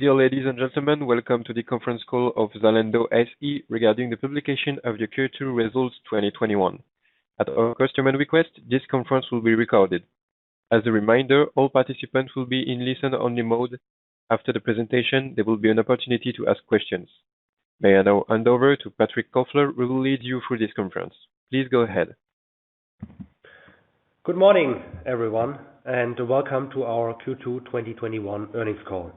Dear ladies and gentlemen, welcome to the Conference Call of Zalando SE regarding the publication of the Q2 results 2021. At our customer request, this conference will be recorded. As a reminder, all participants will be in listen-only mode. After the presentation, there will be an opportunity to ask questions. May I now hand over to Patrick Kofler, who will lead you through this conference. Please go ahead. Good morning, everyone, and welcome to our Q2 2021 earnings call.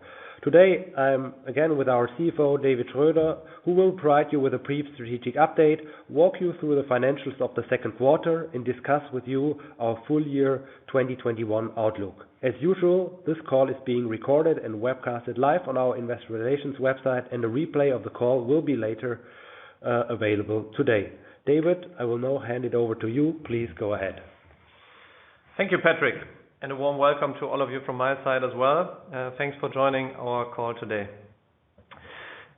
Today, I'm again with our CFO, David Schröder, who will provide you with a brief strategic update, walk you through the financials of the second quarter, and discuss with you our full year 2021 outlook. As usual, this call is being recorded and webcasted live on our investor relations website, and a replay of the call will be later available today. David, I will now hand it over to you. Please go ahead. Thank you, Patrick, and a warm welcome to all of you from my side as well. Thanks for joining our call today.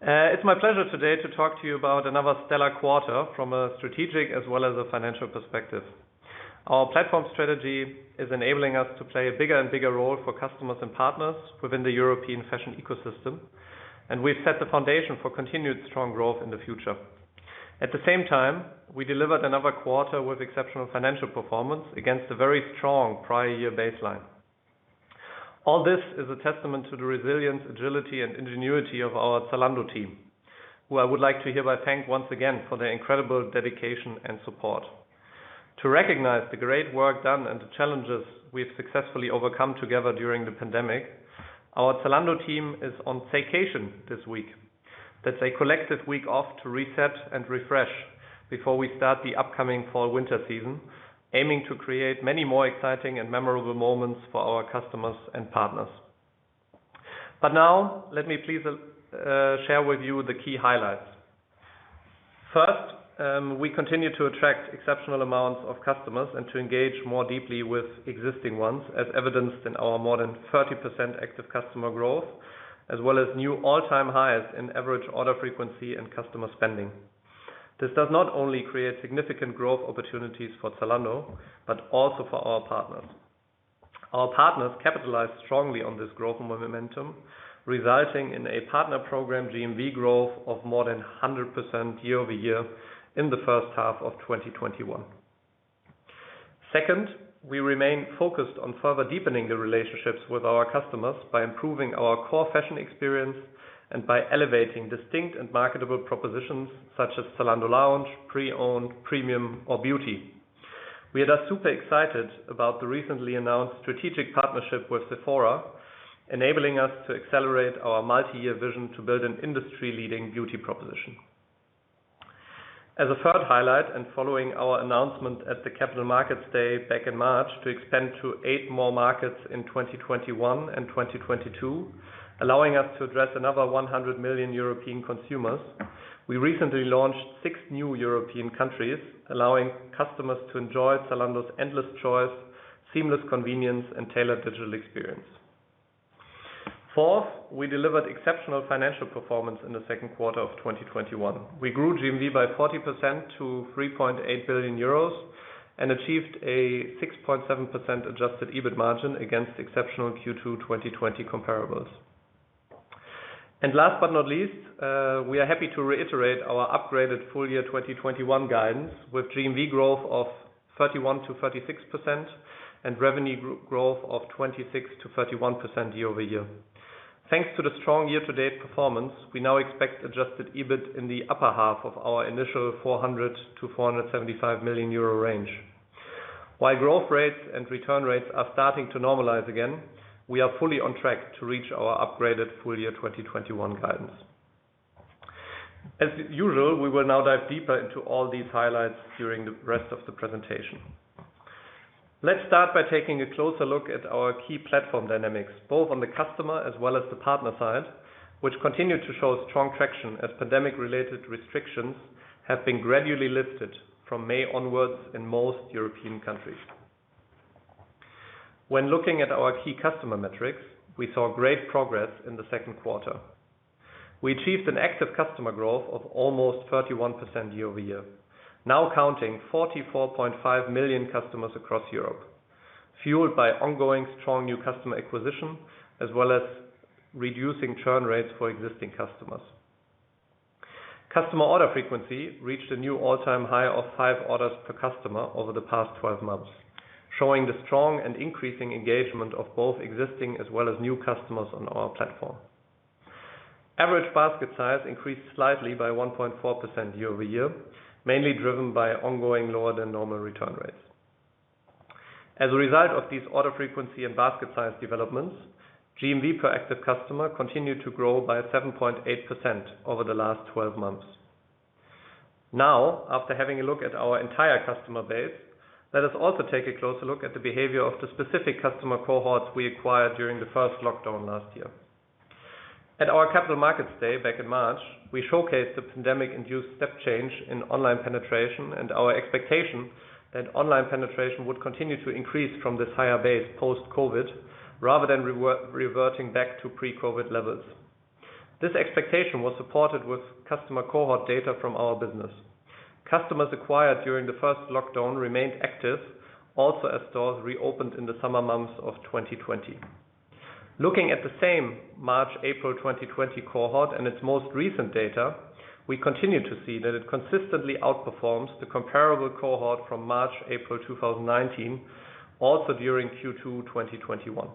It's my pleasure today to talk to you about another stellar quarter from a strategic as well as a financial perspective. Our platform strategy is enabling us to play a bigger and bigger role for customers and partners within the European fashion ecosystem, and we've set the foundation for continued strong growth in the future. At the same time, we delivered another quarter with exceptional financial performance against a very strong prior year baseline. All this is a testament to the resilience, agility, and ingenuity of our Zalando team, who I would like to hereby thank once again for their incredible dedication and support. To recognize the great work done and the challenges we've successfully overcome together during the pandemic, our Zalando team is on staycation this week. That's a collective week off to reset and refresh before we start the upcoming fall/winter season, aiming to create many more exciting and memorable moments for our customers and partners. Now, let me please share with you the key highlights. First, we continue to attract exceptional amounts of customers and to engage more deeply with existing ones, as evidenced in our more than 30% active customer growth, as well as new all-time highs in average order frequency and customer spending. This does not only create significant growth opportunities for Zalando, but also for our partners. Our partners capitalized strongly on this growth momentum, resulting in a Partner Program GMV growth of more than 100% year-over-year in the first half of 2021. Second, we remain focused on further deepening the relationships with our customers by improving our core fashion experience and by elevating distinct and marketable propositions such as Zalando Lounge, Pre-owned, Premium, or Beauty. We are just super excited about the recently announced strategic partnership with Sephora, enabling us to accelerate our multi-year vision to build an industry-leading beauty proposition. As a third highlight, and following our announcement at the Capital Markets Day back in March to expand to eight more markets in 2021 and 2022, allowing us to address another 100 million European consumers, we recently launched six new European countries allowing customers to enjoy Zalando's endless choice, seamless convenience, and tailored digital experience. Fourth, we delivered exceptional financial performance in the second quarter of 2021. We grew GMV by 40% to 3.8 billion euros and achieved a 6.7% adjusted EBIT margin against exceptional Q2 2020 comparables. Last but not least, we are happy to reiterate our upgraded full year 2021 guidance with GMV growth of 31%-36% and revenue growth of 26%-31% year-over-year. Thanks to the strong year-to-date performance, we now expect adjusted EBIT in the upper half of our initial 400 million-475 million euro range. While growth rates and return rates are starting to normalize again, we are fully on track to reach our upgraded full year 2021 guidance. As usual, we will now dive deeper into all these highlights during the rest of the presentation. Let's start by taking a closer look at our key platform dynamics, both on the customer as well as the partner side, which continue to show strong traction as pandemic related restrictions have been gradually lifted from May onwards in most European countries. When looking at our key customer metrics, we saw great progress in the second quarter. We achieved an active customer growth of almost 31% year-over-year. Now counting 44.5 million customers across Europe, fueled by ongoing strong new customer acquisition, as well as reducing churn rates for existing customers. Customer order frequency reached a new all-time high of five orders per customer over the past 12 months, showing the strong and increasing engagement of both existing as well as new customers on our platform. Average basket size increased slightly by 1.4% year-over-year, mainly driven by ongoing lower than normal return rates. As a result of these order frequency and basket size developments, GMV per active customer continued to grow by 7.8% over the last 12 months. Now, after having a look at our entire customer base, let us also take a closer look at the behavior of the specific customer cohorts we acquired during the first lockdown last year. At our Capital Markets Day back in March, we showcased the pandemic-induced step change in online penetration and our expectation that online penetration would continue to increase from this higher base post-COVID rather than reverting back to pre-COVID levels. This expectation was supported with customer cohort data from our business. Customers acquired during the first lockdown remained active, also as stores reopened in the summer months of 2020. Looking at the same March, April 2020 cohort and its most recent data, we continue to see that it consistently outperforms the comparable cohort from March, April 2019, also during Q2 2021.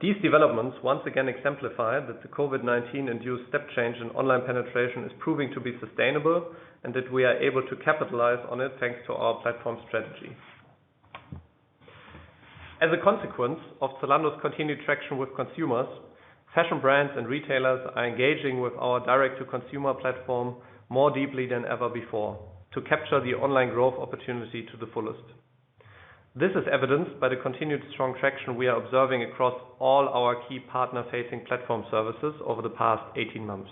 These developments once again exemplify that the COVID-19 induced step change in online penetration is proving to be sustainable, and that we are able to capitalize on it thanks to our platform strategy. As a consequence of Zalando's continued traction with consumers, fashion brands and retailers are engaging with our direct-to-consumer platform more deeply than ever before to capture the online growth opportunity to the fullest. This is evidenced by the continued strong traction we are observing across all our key partner facing platform services over the past 18 months.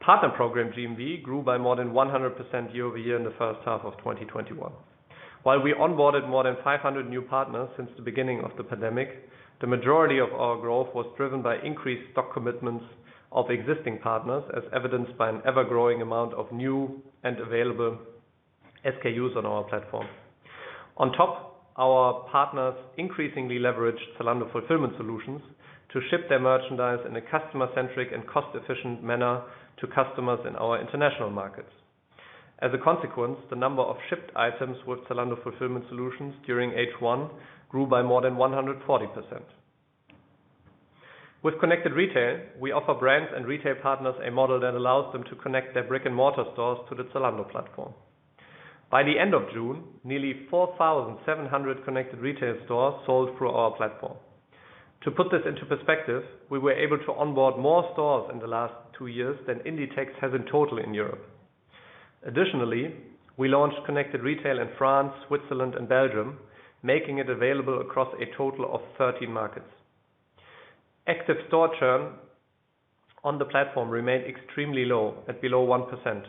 Partner Program GMV grew by more than 100% year-over-year in the first half of 2021. While we onboarded more than 500 new partners since the beginning of the pandemic, the majority of our growth was driven by increased stock commitments of existing partners, as evidenced by an ever-growing amount of new and available SKUs on our platform. On top, our partners increasingly leveraged Zalando Fulfillment Solutions to ship their merchandise in a customer-centric and cost-efficient manner to customers in our international markets. As a consequence, the number of shipped items with Zalando Fulfillment Solutions during H1 grew by more than 140%. With Connected Retail, we offer brands and retail partners a model that allows them to connect their brick-and-mortar stores to the Zalando platform. By the end of June, nearly 4,700 Connected Retail stores sold through our platform. To put this into perspective, we were able to onboard more stores in the last two years than Inditex has in total in Europe. Additionally, we launched Connected Retail in France, Switzerland and Belgium, making it available across a total of 13 markets. Active store churn on the platform remained extremely low at below 1%,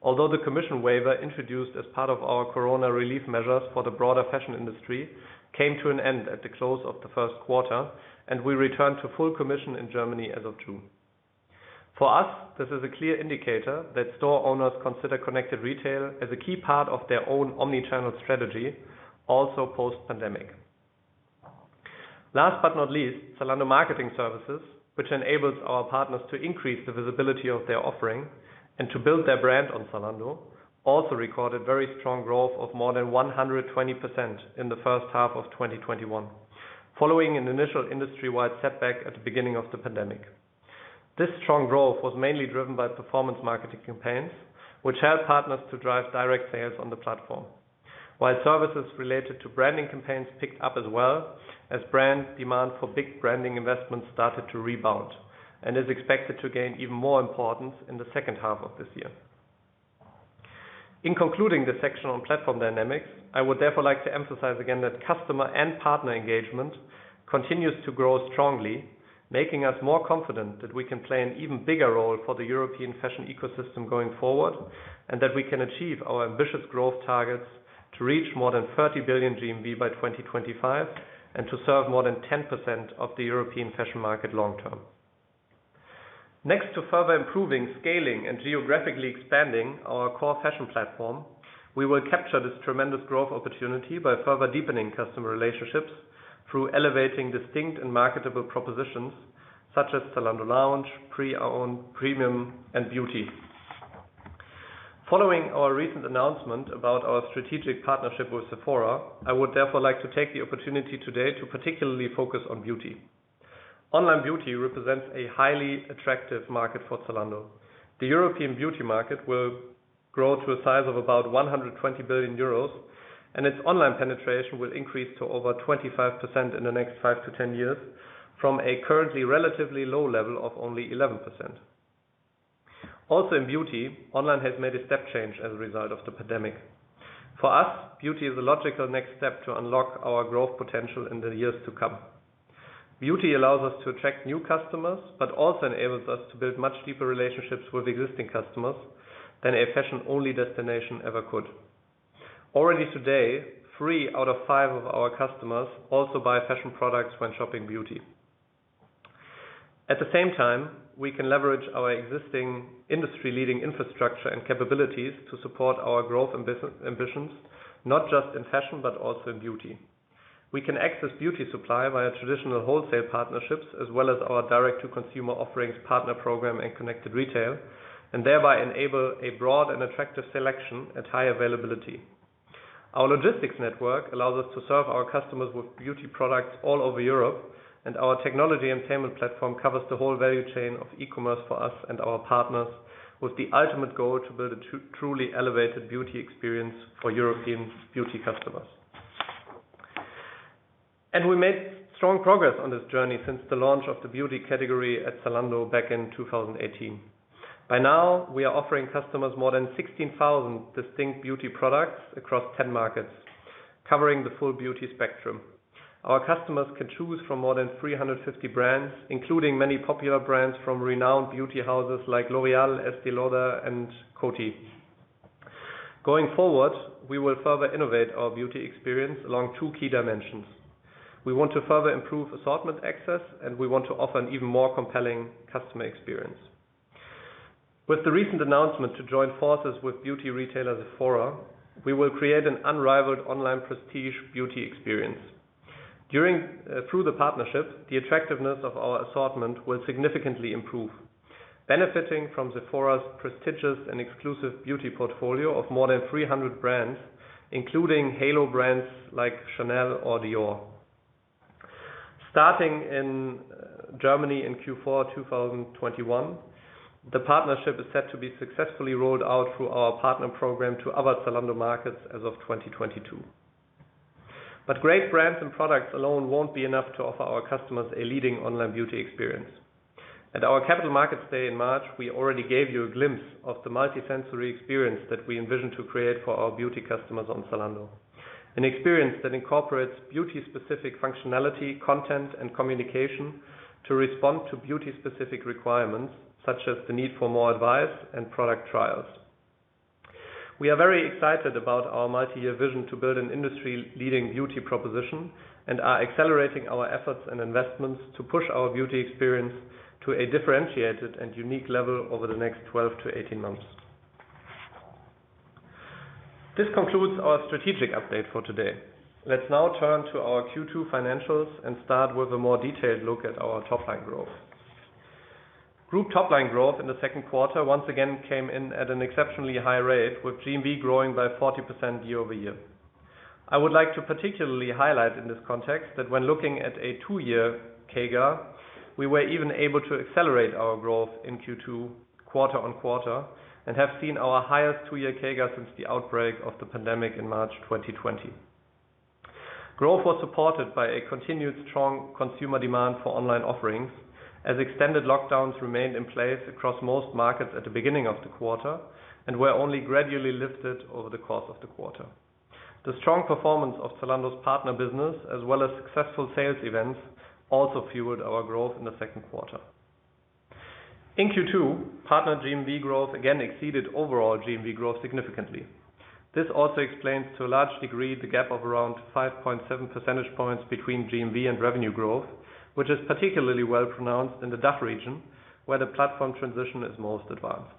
although the commission waiver, introduced as part of our corona relief measures for the broader fashion industry, came to an end at the close of the first quarter, and we returned to full commission in Germany as of June. For us, this is a clear indicator that store owners consider Connected Retail as a key part of their own omni-channel strategy, also post pandemic. Last but not least, Zalando Marketing Services, which enables our partners to increase the visibility of their offering and to build their brand on Zalando, also recorded very strong growth of more than 120% in the first half of 2021, following an initial industry-wide setback at the beginning of the pandemic. This strong growth was mainly driven by performance marketing campaigns, which help partners to drive direct sales on the platform. While services related to branding campaigns picked up as well as brand demand for big branding investments started to rebound and is expected to gain even more importance in the second half of this year. In concluding this section on platform dynamics, I would therefore like to emphasize again that customer and partner engagement continues to grow strongly, making us more confident that we can play an even bigger role for the European fashion ecosystem going forward, and that we can achieve our ambitious growth targets to reach more than 30 billion GMV by 2025 and to serve more than 10% of the European fashion market long term. Next to further improving scaling and geographically expanding our core fashion platform, we will capture this tremendous growth opportunity by further deepening customer relationships through elevating distinct and marketable propositions such as Zalando Lounge, Pre-owned, Premium and Beauty. Following our recent announcement about our strategic partnership with Sephora, I would therefore like to take the opportunity today to particularly focus on beauty. Online beauty represents a highly attractive market for Zalando. The European beauty market will grow to a size of about 120 billion euros, and its online penetration will increase to over 25% in the next 7-10 years from a currently relatively low level of only 11%. Also in beauty, online has made a step change as a result of the pandemic. For us, beauty is a logical next step to unlock our growth potential in the years to come. Beauty allows us to attract new customers, but also enables us to build much deeper relationships with existing customers than a fashion only destination ever could. Already today, three out of five of our customers also buy fashion products when shopping beauty. At the same time, we can leverage our existing industry leading infrastructure and capabilities to support our growth ambitions, not just in fashion but also in beauty. We can access beauty supply via traditional wholesale partnerships, as well as our direct to consumer offerings Partner Program and Connected Retail. Thereby enable a broad and attractive selection at high availability. Our logistics network allows us to serve our customers with beauty products all over Europe. Our technology and payment platform covers the whole value chain of e-commerce for us and our partners, with the ultimate goal to build a truly elevated beauty experience for European beauty customers. We made strong progress on this journey since the launch of the beauty category at Zalando back in 2018. By now, we are offering customers more than 16,000 distinct beauty products across 10 markets, covering the full beauty spectrum. Our customers can choose from more than 350 brands, including many popular brands from renowned beauty houses like L'Oréal, Estée Lauder and Coty. Going forward, we will further innovate our beauty experience along two key dimensions. We want to further improve assortment access, and we want to offer an even more compelling customer experience. With the recent announcement to join forces with beauty retailer Sephora, we will create an unrivaled online prestige beauty experience. Through the partnership, the attractiveness of our assortment will significantly improve, benefiting from Sephora's prestigious and exclusive beauty portfolio of more than 300 brands, including halo brands like Chanel or Dior. Starting in Germany in Q4 2021, the partnership is set to be successfully rolled out through our Partner Program to other Zalando markets as of 2022. Great brands and products alone won't be enough to offer our customers a leading online beauty experience. At our Capital Markets Day in March, we already gave you a glimpse of the multi-sensory experience that we envision to create for our beauty customers on Zalando. An experience that incorporates beauty specific functionality, content, and communication to respond to beauty specific requirements, such as the need for more advice and product trials. We are very excited about our multi-year vision to build an industry leading beauty proposition and are accelerating our efforts and investments to push our beauty experience to a differentiated and unique level over the next 12 to 18 months. This concludes our strategic update for today. Let's now turn to our Q2 financials and start with a more detailed look at our top line growth. Group top line growth in the second quarter once again came in at an exceptionally high rate, with GMV growing by 40% year-over-year. I would like to particularly highlight in this context that when looking at a two-year CAGR, we were even able to accelerate our growth in Q2 quarter-on-quarter and have seen our highest two-year CAGR since the outbreak of the pandemic in March 2020. Growth was supported by a continued strong consumer demand for online offerings, as extended lockdowns remained in place across most markets at the beginning of the quarter and were only gradually lifted over the course of the quarter. The strong performance of Zalando's partner business, as well as successful sales events, also fueled our growth in the second quarter. In Q2, partner GMV growth again exceeded overall GMV growth significantly. This also explains, to a large degree, the gap of around 5.7 percentage points between GMV and revenue growth, which is particularly well pronounced in the DACH region, where the platform transition is most advanced.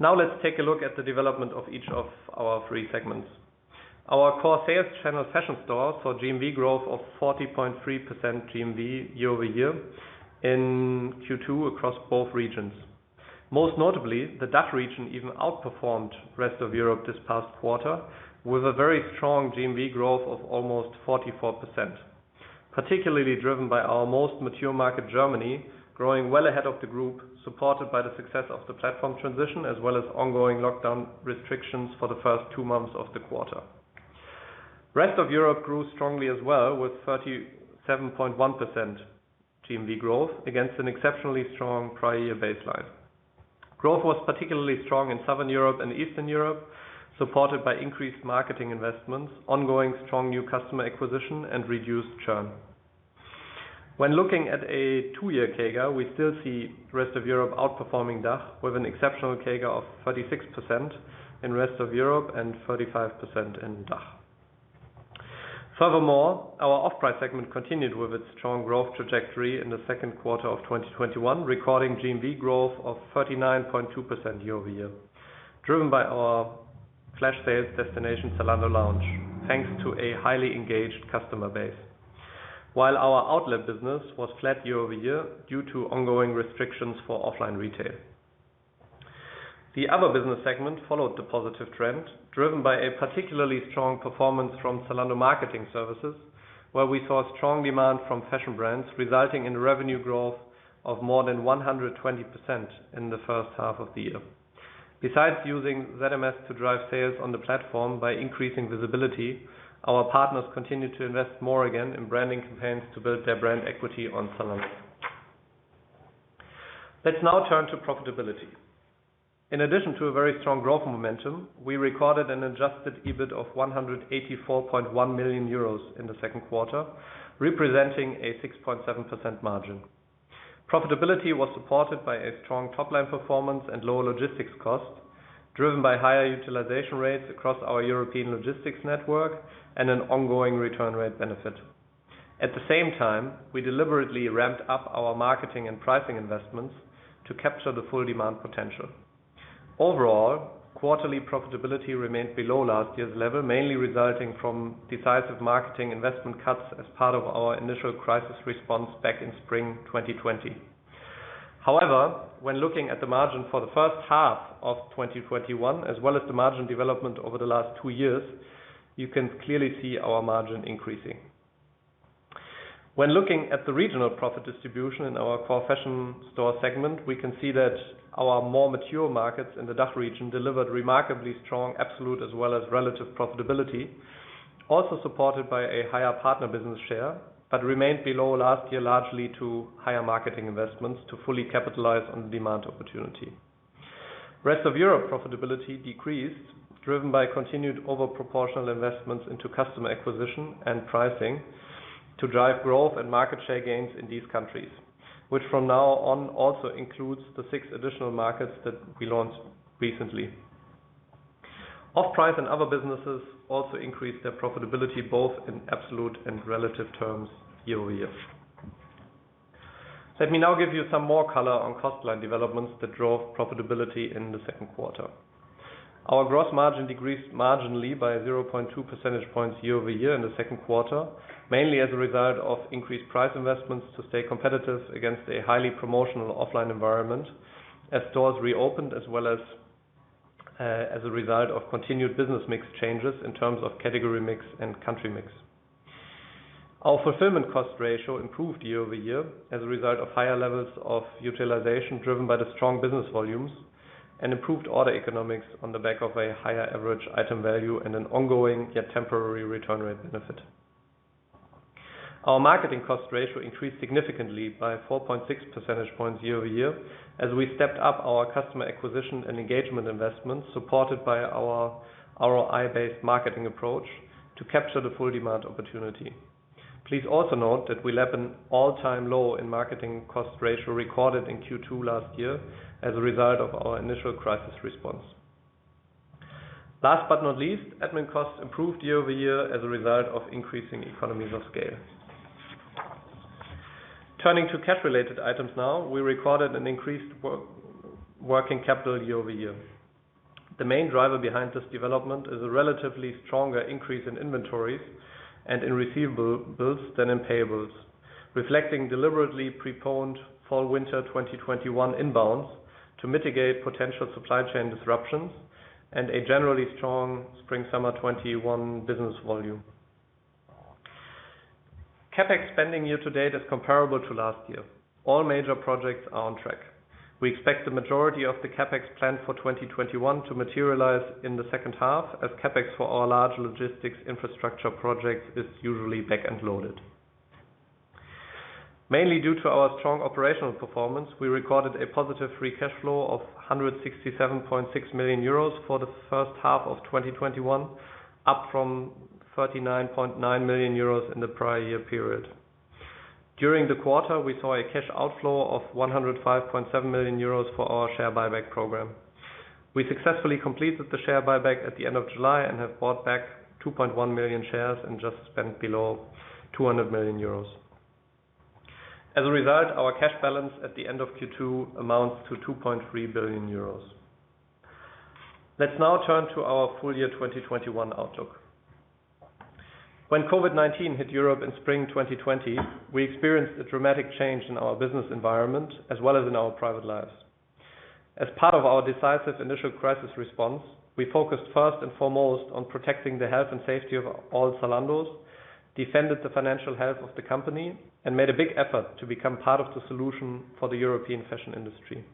Let's take a look at the development of each of our three segments. Our core sales channel fashion store saw GMV growth of 40.3% GMV year-over-year in Q2 across both regions. Most notably, the DACH region even outperformed rest of Europe this past quarter with a very strong GMV growth of almost 44%, particularly driven by our most mature market, Germany, growing well ahead of the group, supported by the success of the platform transition as well as ongoing lockdown restrictions for the first two months of the quarter. Rest of Europe grew strongly as well, with 37.1% GMV growth against an exceptionally strong prior year baseline. Growth was particularly strong in Southern Europe and Eastern Europe, supported by increased marketing investments, ongoing strong new customer acquisition, and reduced churn. When looking at a two-year CAGR, we still see rest of Europe outperforming DACH with an exceptional CAGR of 36% in rest of Europe and 35% in DACH. Furthermore, our off-price segment continued with its strong growth trajectory in the second quarter of 2021, recording GMV growth of 39.2% year-over-year, driven by our flash sales destination, Zalando Lounge, thanks to a highly engaged customer base. While our outlet business was flat year-over-year due to ongoing restrictions for offline retail. The other business segment followed the positive trend driven by a particularly strong performance from Zalando Marketing Services, where we saw strong demand from fashion brands resulting in revenue growth of more than 120% in the first half of the year. Besides using ZMS to drive sales on the platform by increasing visibility, our partners continued to invest more again in branding campaigns to build their brand equity on Zalando. Let's now turn to profitability. In addition to a very strong growth momentum, we recorded an adjusted EBIT of 184.1 million euros in the second quarter, representing a 6.7% margin. Profitability was supported by a strong top line performance and lower logistics cost, driven by higher utilization rates across our European logistics network and an ongoing return rate benefit. At the same time, we deliberately ramped up our marketing and pricing investments to capture the full demand potential. Overall, quarterly profitability remained below last year's level, mainly resulting from decisive marketing investment cuts as part of our initial crisis response back in spring 2020. However, when looking at the margin for the first half of 2021, as well as the margin development over the last two years, you can clearly see our margin increasing. When looking at the regional profit distribution in our core fashion store segment, we can see that our more mature markets in the DACH region delivered remarkably strong absolute as well as relative profitability, also supported by a higher partner business share, but remained below last year, largely to higher marketing investments to fully capitalize on the demand opportunity. Rest of Europe profitability decreased, driven by continued over proportional investments into customer acquisition and pricing to drive growth and market share gains in these countries. Which from now on also includes the six additional markets that we launched recently. Off-price and other businesses also increased their profitability, both in absolute and relative terms year-over-year. Let me now give you some more color on cost line developments that drove profitability in the second quarter. Our gross margin decreased marginally by 0.2 percentage points year-over-year in the second quarter, mainly as a result of increased price investments to stay competitive against a highly promotional offline environment as stores reopened, as well as a result of continued business mix changes in terms of category mix and country mix. Our fulfillment cost ratio improved year-over-year as a result of higher levels of utilization driven by the strong business volumes and improved order economics on the back of a higher average item value and an ongoing, yet temporary return rate benefit. Our marketing cost ratio increased significantly by 4.6 percentage points year-over-year, as we stepped up our customer acquisition and engagement investments supported by our ROI-based marketing approach to capture the full demand opportunity. Please also note that we lap an all-time low in marketing cost ratio recorded in Q2 last year as a result of our initial crisis response. Admin costs improved year-over-year as a result of increasing economies of scale. Turning to cash related items now, we recorded an increased working capital year-over-year. The main driver behind this development is a relatively stronger increase in inventories and in receivables than in payables, reflecting deliberately preponed fall/winter 2021 inbounds to mitigate potential supply chain disruptions and a generally strong spring/summer 2021 business volume. CapEx spending year-to-date is comparable to last year. All major projects are on track. We expect the majority of the CapEx plan for 2021 to materialize in the second half as CapEx for our large logistics infrastructure projects is usually back-end loaded. Mainly due to our strong operational performance, we recorded a positive free cash flow of 167.6 million euros for the first half of 2021, up from 39.9 million euros in the prior year period. During the quarter, we saw a cash outflow of 105.7 million euros for our share buyback program. We successfully completed the share buyback at the end of July and have bought back 2.1 million shares and just spent below 200 million euros. As a result, our cash balance at the end of Q2 amounts to 2.3 billion euros. Let's now turn to our full year 2021 outlook. When COVID-19 hit Europe in spring 2020, we experienced a dramatic change in our business environment as well as in our private lives. As part of our decisive initial crisis response, we focused first and foremost on protecting the health and safety of all Zalandos, defended the financial health of the company, and made a big effort to become part of the solution for the European fashion industry.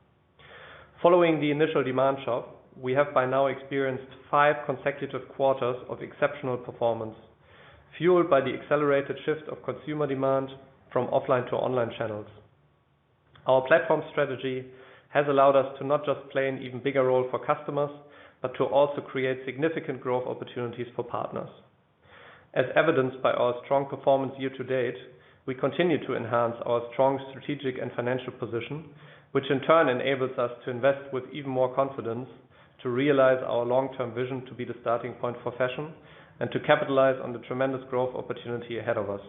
Following the initial demand shock, we have by now experienced five consecutive quarters of exceptional performance, fueled by the accelerated shift of consumer demand from offline to online channels. Our platform strategy has allowed us to not just play an even bigger role for customers, but to also create significant growth opportunities for partners. As evidenced by our strong performance year-to-date, we continue to enhance our strong strategic and financial position, which in turn enables us to invest with even more confidence to realize our long-term vision to be the starting point for fashion and to capitalize on the tremendous growth opportunity ahead of us.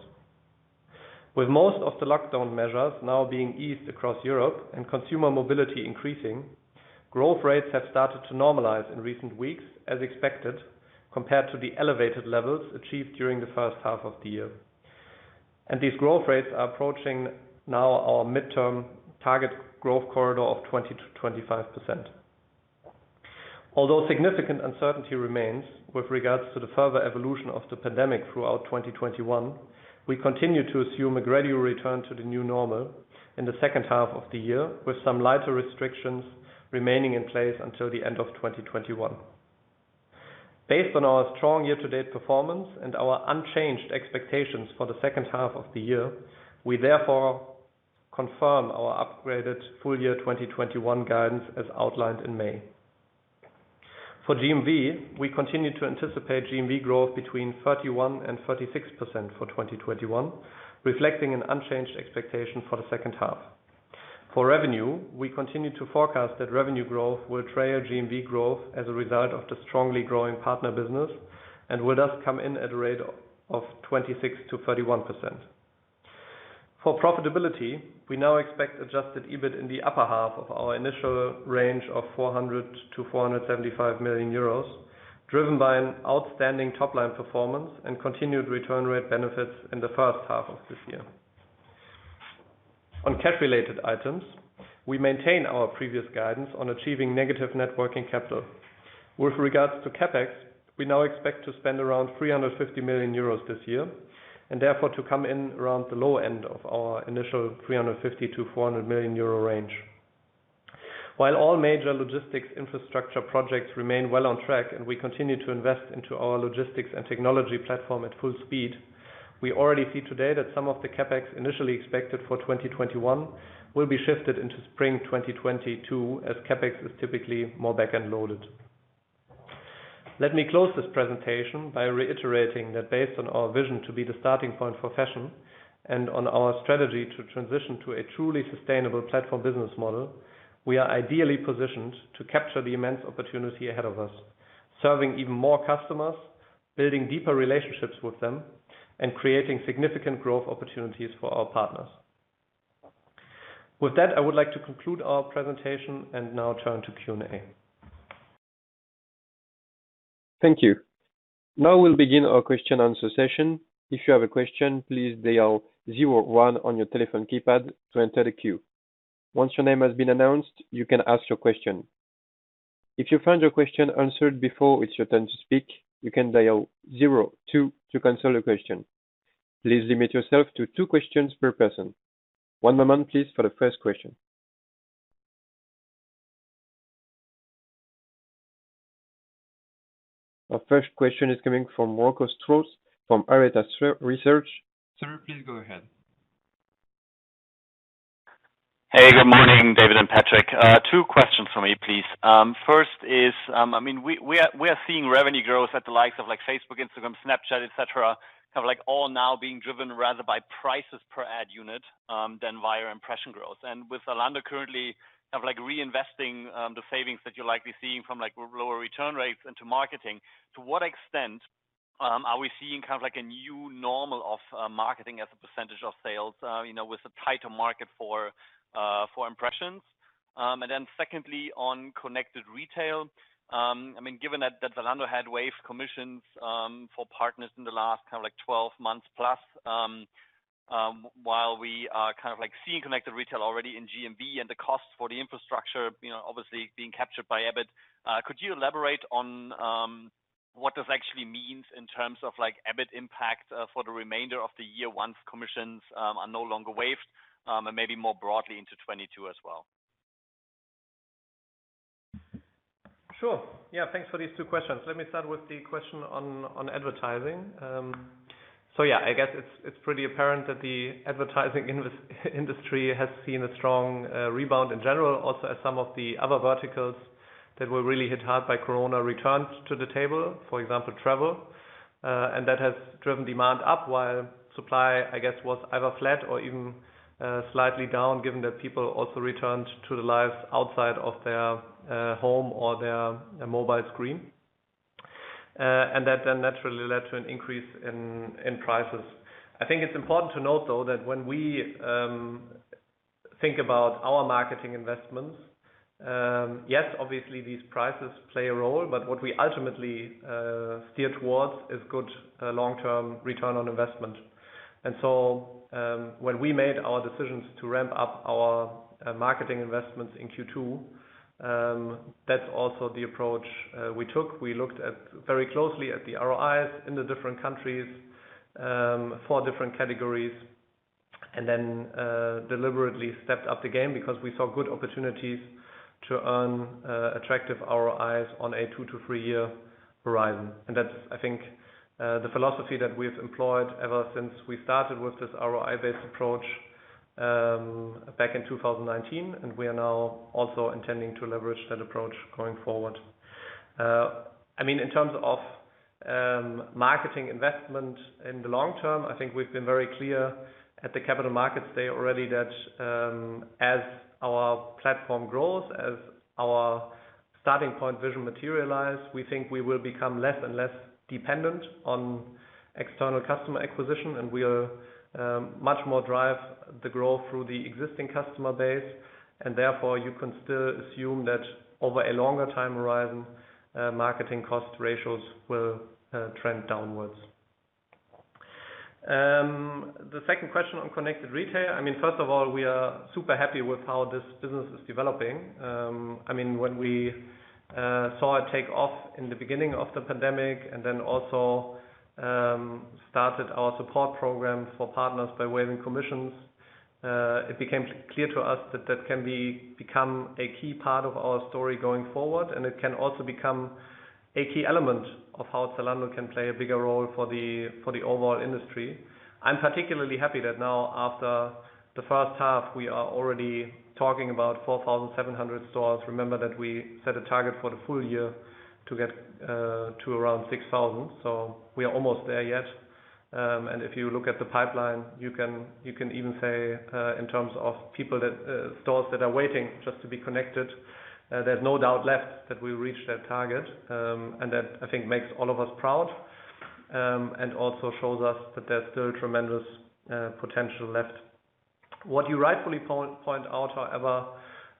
With most of the lockdown measures now being eased across Europe and consumer mobility increasing, growth rates have started to normalize in recent weeks as expected, compared to the elevated levels achieved during the first half of the year. These growth rates are approaching now our midterm target growth corridor of 20% to 25%. Although significant uncertainty remains with regards to the further evolution of the pandemic throughout 2021, we continue to assume a gradual return to the new normal in the second half of the year, with some lighter restrictions remaining in place until the end of 2021. Based on our strong year-to-date performance and our unchanged expectations for the second half of the year, we therefore confirm our upgraded full-year 2021 guidance as outlined in May. For GMV, we continue to anticipate GMV growth between 31%-36% for 2021, reflecting an unchanged expectation for the second half. For revenue, we continue to forecast that revenue growth will trail GMV growth as a result of the strongly growing partner business and will thus come in at a rate of 26%-31%. For profitability, we now expect adjusted EBIT in the upper half of our initial range of 400 million-475 million euros, driven by an outstanding top-line performance and continued return rate benefits in the first half of this year. On cash related items, we maintain our previous guidance on achieving negative net working capital. With regards to CapEx, we now expect to spend around 350 million euros this year, and therefore to come in around the low end of our initial 350 million-400 million euro range. While all major logistics infrastructure projects remain well on track and we continue to invest into our logistics and technology platform at full speed, we already see today that some of the CapEx initially expected for 2021 will be shifted into spring 2022 as CapEx is typically more back-end loaded. Let me close this presentation by reiterating that based on our vision to be the starting point for fashion and on our strategy to transition to a truly sustainable platform business model, we are ideally positioned to capture the immense opportunity ahead of us. Serving even more customers, building deeper relationships with them, and creating significant growth opportunities for our partners. With that, I would like to conclude our presentation and now turn to Q&A. Thank you. We'll begin our question answer session. If you have a question, please dial zero one on your telephone keypad to enter the queue. Once your name has been announced, you can ask your question. If you find your question answered before it's your turn to speak, you can dial zero two to cancel your question. Please limit yourself to two questions per person. One moment please, for the first question. Our first question is coming from Rocco Strauss from Arete Research. Sir, please go ahead. Good morning, David and Patrick. Two questions from me, please. First is, we are seeing revenue growth at the likes of Facebook, Instagram, Snapchat, et cetera, kind of all now being driven rather by prices per ad unit, than via impression growth. With Zalando currently kind of reinvesting the savings that you're likely seeing from lower return rates into marketing, to what extent are we seeing kind of a new normal of marketing as a percentage of sales with a tighter market for impressions? Secondly, on Connected Retail, given that Zalando had waived commissions for partners in the last kind of 12 months plus, while we are kind of seeing Connected Retail already in GMV and the cost for the infrastructure, obviously being captured by EBIT. Could you elaborate on what this actually means in terms of EBIT impact for the remainder of the year once commissions are no longer waived? Maybe more broadly into 2022 as well. Sure. Yeah, thanks for these two questions. Let me start with the question on advertising. Yeah, I guess it's pretty apparent that the advertising industry has seen a strong rebound in general also as some of the other verticals that were really hit hard by COVID-19 returned to the table. For example, travel. That has driven demand up while supply, I guess, was either flat or even slightly down, given that people also returned to the life outside of their home or their mobile screen. That then naturally led to an increase in prices. I think it's important to note, though, that when we think about our marketing investments, yes, obviously these prices play a role, but what we ultimately steer towards is good long-term return on investment. When we made our decisions to ramp up our marketing investments in Q2, that's also the approach we took. We looked very closely at the ROIs in the different countries, for different categories, and then deliberately stepped up the game because we saw good opportunities to earn attractive ROIs on a two to three-year horizon. That's, I think, the philosophy that we've employed ever since we started with this ROI-based approach back in 2019, and we are now also intending to leverage that approach going forward. In terms of marketing investment in the long term, I think we've been very clear at the Capital Markets Day already that, as our platform grows, as our starting point vision materialize, we think we will become less and less dependent on external customer acquisition. We'll much more drive the growth through the existing customer base. Therefore, you can still assume that over a longer time horizon, marketing cost ratios will trend downwards. The second question on Connected Retail. First of all, we are super happy with how this business is developing. When we saw it take off in the beginning of the pandemic, and then also started our support program for partners by waiving commissions, it became clear to us that that can become a key part of our story going forward. It can also become a key element of how Zalando can play a bigger role for the overall industry. I'm particularly happy that now after the first half, we are already talking about 4,700 stores. Remember that we set a target for the full year to get to around 6,000, so we are almost there yet. If you look at the pipeline, you can even say, in terms of stores that are waiting just to be connected, there's no doubt left that we'll reach that target. That, I think, makes all of us proud, and also shows us that there's still tremendous potential left. What you rightfully point out, however,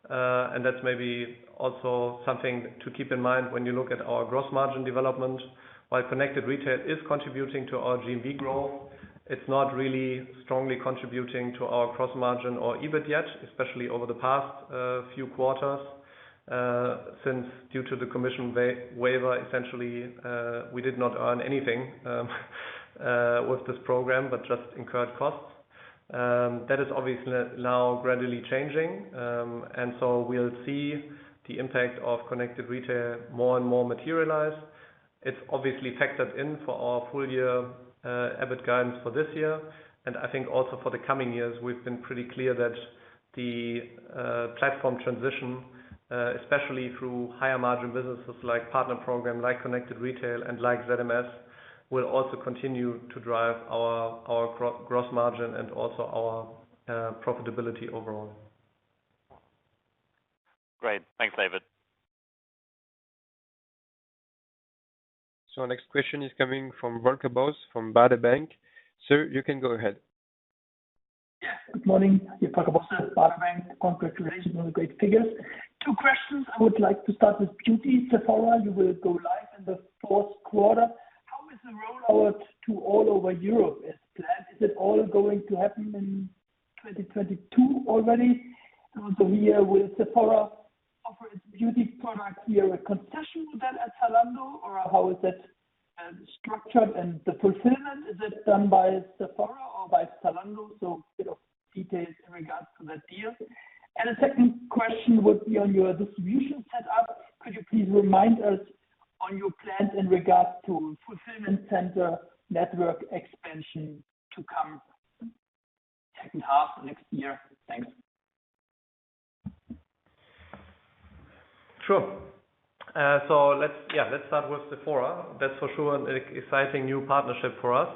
and that's maybe also something to keep in mind when you look at our gross margin development. While Connected Retail is contributing to our GMV growth, it's not really strongly contributing to our gross margin or EBIT yet, especially over the past few quarters. Due to the commission waiver, essentially, we did not earn anything with this program, but just incurred costs. That is obviously now gradually changing. We'll see the impact of Connected Retail more and more materialized. It's obviously factored in for our full year EBIT guidance for this year. I think also for the coming years, we've been pretty clear that the platform transition, especially through higher margin businesses like Partner Program, like Connected Retail and like ZMS, will also continue to drive our gross margin and also our profitability overall. Great. Thanks, David. Next question is coming from Volker Bosse from Baader Bank. Sir, you can go ahead. Yes. Good morning. Volker Bosse, Baader Bank. Congratulations on the great figures. Two questions. I would like to start with beauty. Sephora, you will go live in the fourth quarter. How is the rollout to all over Europe as planned? Is it all going to happen in 2022 already? Will Sephora offer its beauty product here a concession model at Zalando, or how is that structured? The fulfillment, is it done by Sephora or by Zalando? A bit of details in regards to that deal. The second question would be on your distribution set up. Could you please remind us on your plans in regards to fulfillment center network expansion to come second half next year? Thanks. Sure. Let's start with Sephora. That's for sure an exciting new partnership for us.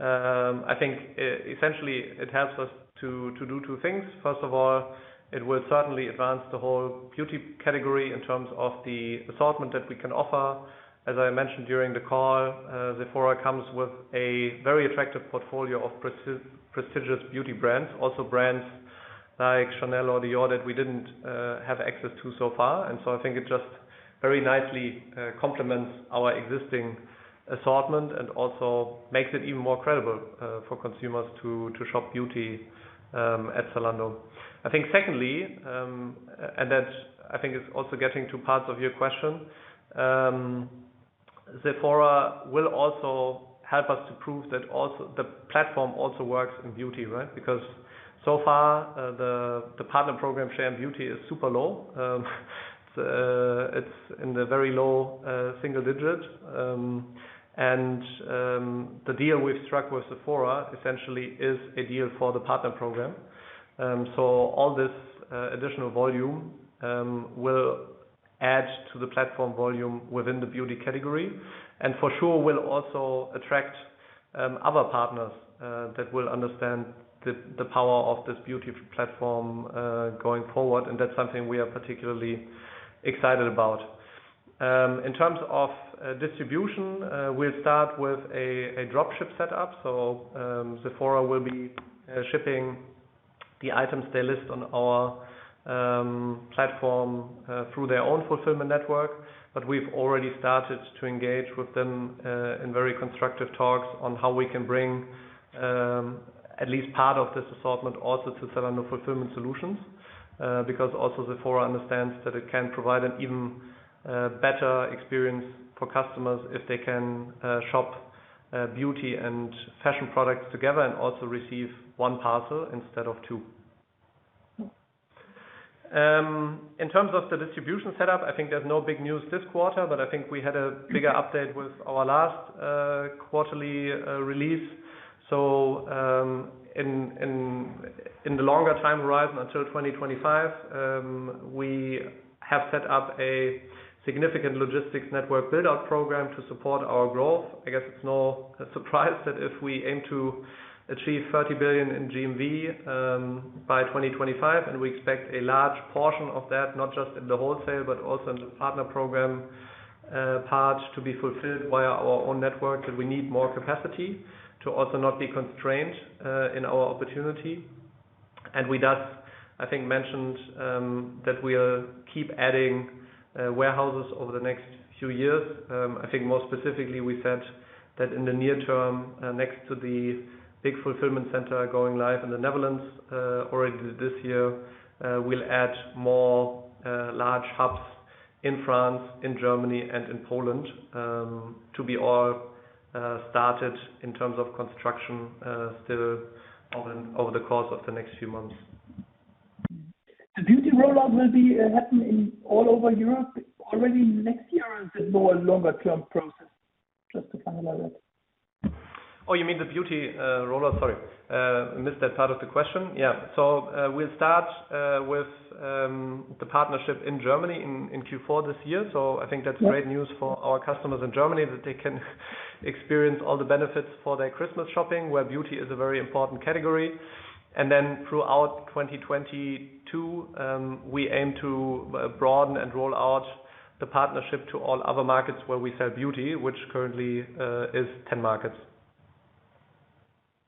I think essentially it helps us to do two things. First of all, it will certainly advance the whole beauty category in terms of the assortment that we can offer. As I mentioned during the call, Sephora comes with a very attractive portfolio of prestigious beauty brands. Also brands like Chanel or Dior that we didn't have access to so far. I think it just very nicely complements our existing assortment and also makes it even more credible for consumers to shop beauty at Zalando. I think secondly, and that I think is also getting to parts of your question, Sephora will also help us to prove that the platform also works in beauty, right? Because so far, the Partner Program share in beauty is super low. It's in the very low single digit. The deal we've struck with Sephora essentially is a deal for the Partner Program. All this additional volume will add to the platform volume within the beauty category. For sure will also attract other partners that will understand the power of this beauty platform going forward. That's something we are particularly excited about. In terms of distribution, we'll start with a drop ship set up. Sephora will be shipping the items they list on our platform through their own fulfillment network. We've already started to engage with them in very constructive talks on how we can bring at least part of this assortment also to Zalando Fulfillment Solutions. Also Sephora understands that it can provide an even better experience for customers if they can shop beauty and fashion products together and also receive one parcel instead of two. In terms of the distribution set up, I think there's no big news this quarter, but I think we had a bigger update with our last quarterly release. In the longer time horizon until 2025, we have set up a significant logistics network build-out program to support our growth. I guess it's no surprise that if we aim to achieve 30 billion in GMV by 2025, and we expect a large portion of that, not just in the wholesale, but also in the Partner Program part to be fulfilled via our own network, that we need more capacity to also not be constrained in our opportunity. We thus mentioned that we'll keep adding warehouses over the next few years. More specifically, we said that in the near term, next to the big fulfillment center going live in the Netherlands already this year, we'll add more large hubs in France, in Germany, and in Poland to be all started in terms of construction still over the course of the next few months. The beauty rollout will be happening all over Europe already next year or is it more a longer-term process? Just to clarify that. Oh, you mean the beauty rollout? Sorry. Missed that part of the question. Yeah. We'll start with the partnership in Germany in Q4 this year. I think that's great news for our customers in Germany that they can experience all the benefits for their Christmas shopping, where beauty is a very important category. Throughout 2022, we aim to broaden and roll out the partnership to all other markets where we sell beauty, which currently is 10 markets.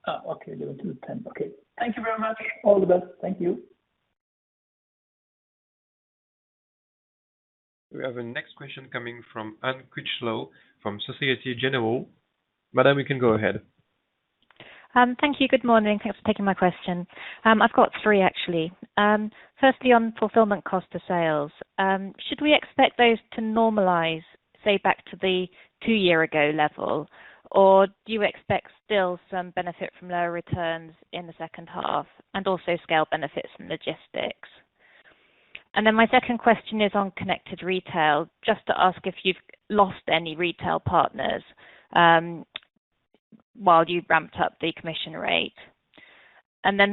Okay. Limited to 10. Okay. Thank you very much. All the best. Thank you. We have a next question coming from Anne Critchlow from Societe Generale. Madame, we can go ahead. Thank you. Good morning. Thanks for taking my question. I've got three, actually. Firstly, on fulfillment cost of sales. Should we expect those to normalize, say, back to the two year ago level? Or do you expect still some benefit from lower returns in the second half and also scale benefits from logistics? My second question is on Connected Retail, just to ask if you've lost any retail partners while you've ramped up the commission rate.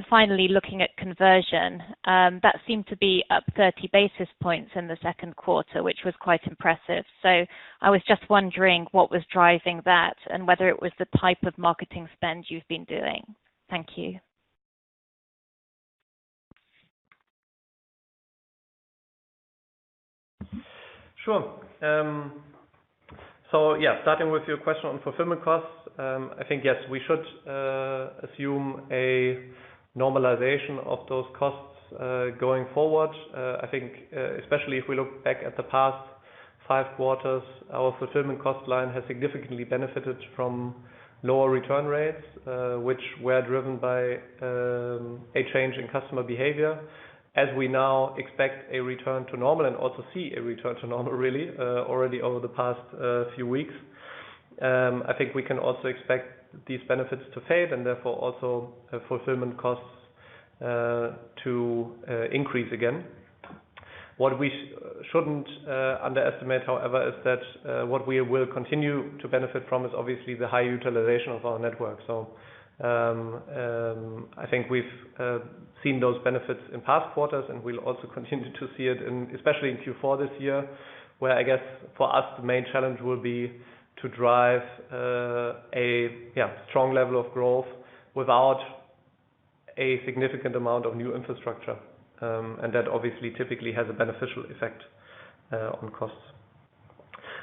Finally, looking at conversion, that seemed to be up 30 basis points in the second quarter, which was quite impressive. I was just wondering what was driving that and whether it was the type of marketing spend you've been doing. Thank you. Sure. Yeah, starting with your question on fulfillment costs, I think, yes, we should assume a normalization of those costs going forward. I think, especially if we look back at the past five quarters, our fulfillment cost line has significantly benefited from lower return rates, which were driven by a change in customer behavior, as we now expect a return to normal and also see a return to normal really, already over the past few weeks. I think we can also expect these benefits to fade and therefore also fulfillment costs to increase again. What we shouldn't underestimate, however, is that what we will continue to benefit from is obviously the high utilization of our network. I think we've seen those benefits in past quarters, and we'll also continue to see it in, especially in Q4 this year, where I guess for us, the main challenge will be to drive a strong level of growth without a significant amount of new infrastructure. That obviously typically has a beneficial effect on costs.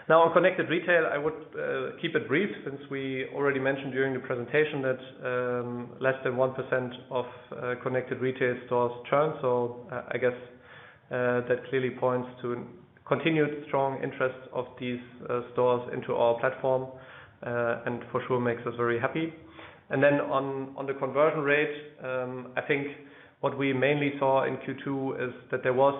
On Connected Retail, I would keep it brief since we already mentioned during the presentation that less than 1% of Connected Retail stores churn. I guess that clearly points to continued strong interest of these stores into our platform, and for sure makes us very happy. On the conversion rate, I think what we mainly saw in Q2 is that there was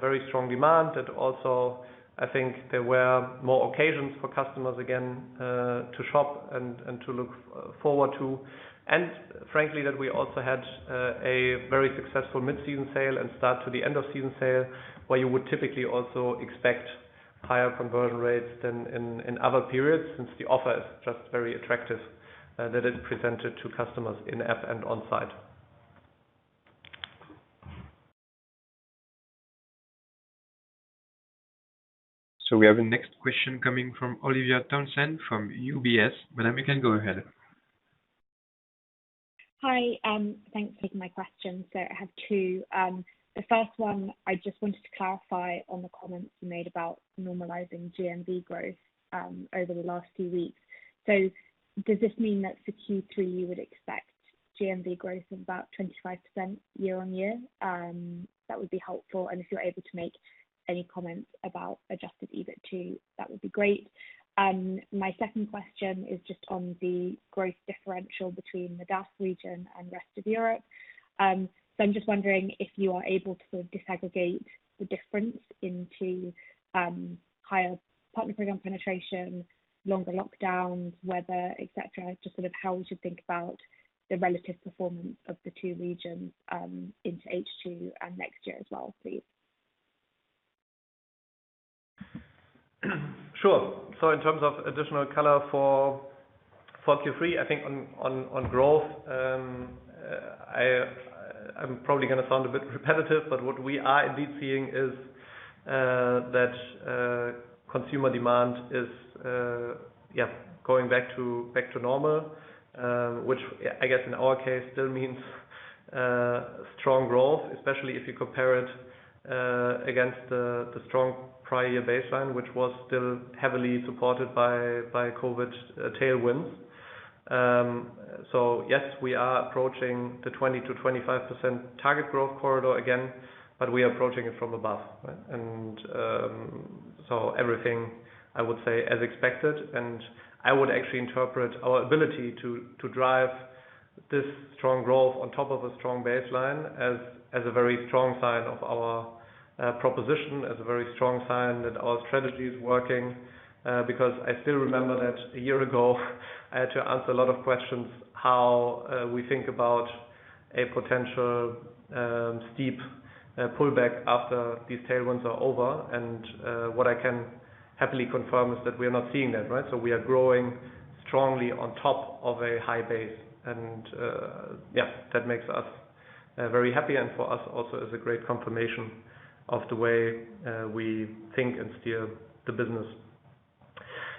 very strong demand and also I think there were more occasions for customers again, to shop and to look forward to. Frankly, that we also had a very successful mid-season sale and start to the end of season sale, where you would typically also expect higher conversion rates than in other periods, since the offer is just very attractive, that is presented to customers in-app and on-site. We have a next question coming from Olivia Townsend, from UBS. Madame, you can go ahead. Hi, thanks for taking my question. I have two. The first one I just wanted to clarify on the comments you made about normalizing GMV growth, over the last few weeks. Does this mean that for Q3, you would expect GMV growth of about 25% year-on-year? That would be helpful. If you're able to make any comments about adjusted EBIT too, that would be great. My second question is just on the growth differential between the DACH region and rest of Europe. I'm just wondering if you are able to sort of disaggregate the difference into higher Partner Program penetration, longer lockdowns, weather, et cetera. Just sort of how we should think about the relative performance of the two regions, into H2 and next year as well, please. Sure. In terms of additional color for Q3, I think on growth, I'm probably going to sound a bit repetitive, but what we are indeed seeing is that consumer demand is going back to normal. Which I guess in our case still means strong growth, especially if you compare it against the strong prior baseline, which was still heavily supported by COVID-19 tailwinds. Yes, we are approaching the 20%-25% target growth corridor again, but we are approaching it from above, right? Everything I would say as expected, and I would actually interpret our ability to drive this strong growth on top of a strong baseline as a very strong sign of our proposition, as a very strong sign that our strategy is working. Because I still remember that a year ago I had to answer a lot of questions, how we think about a potential steep pullback after these tailwinds are over. What I can happily confirm is that we are not seeing that, right? We are growing strongly on top of a high base, and, yeah, that makes us very happy and for us also is a great confirmation of the way we think and steer the business.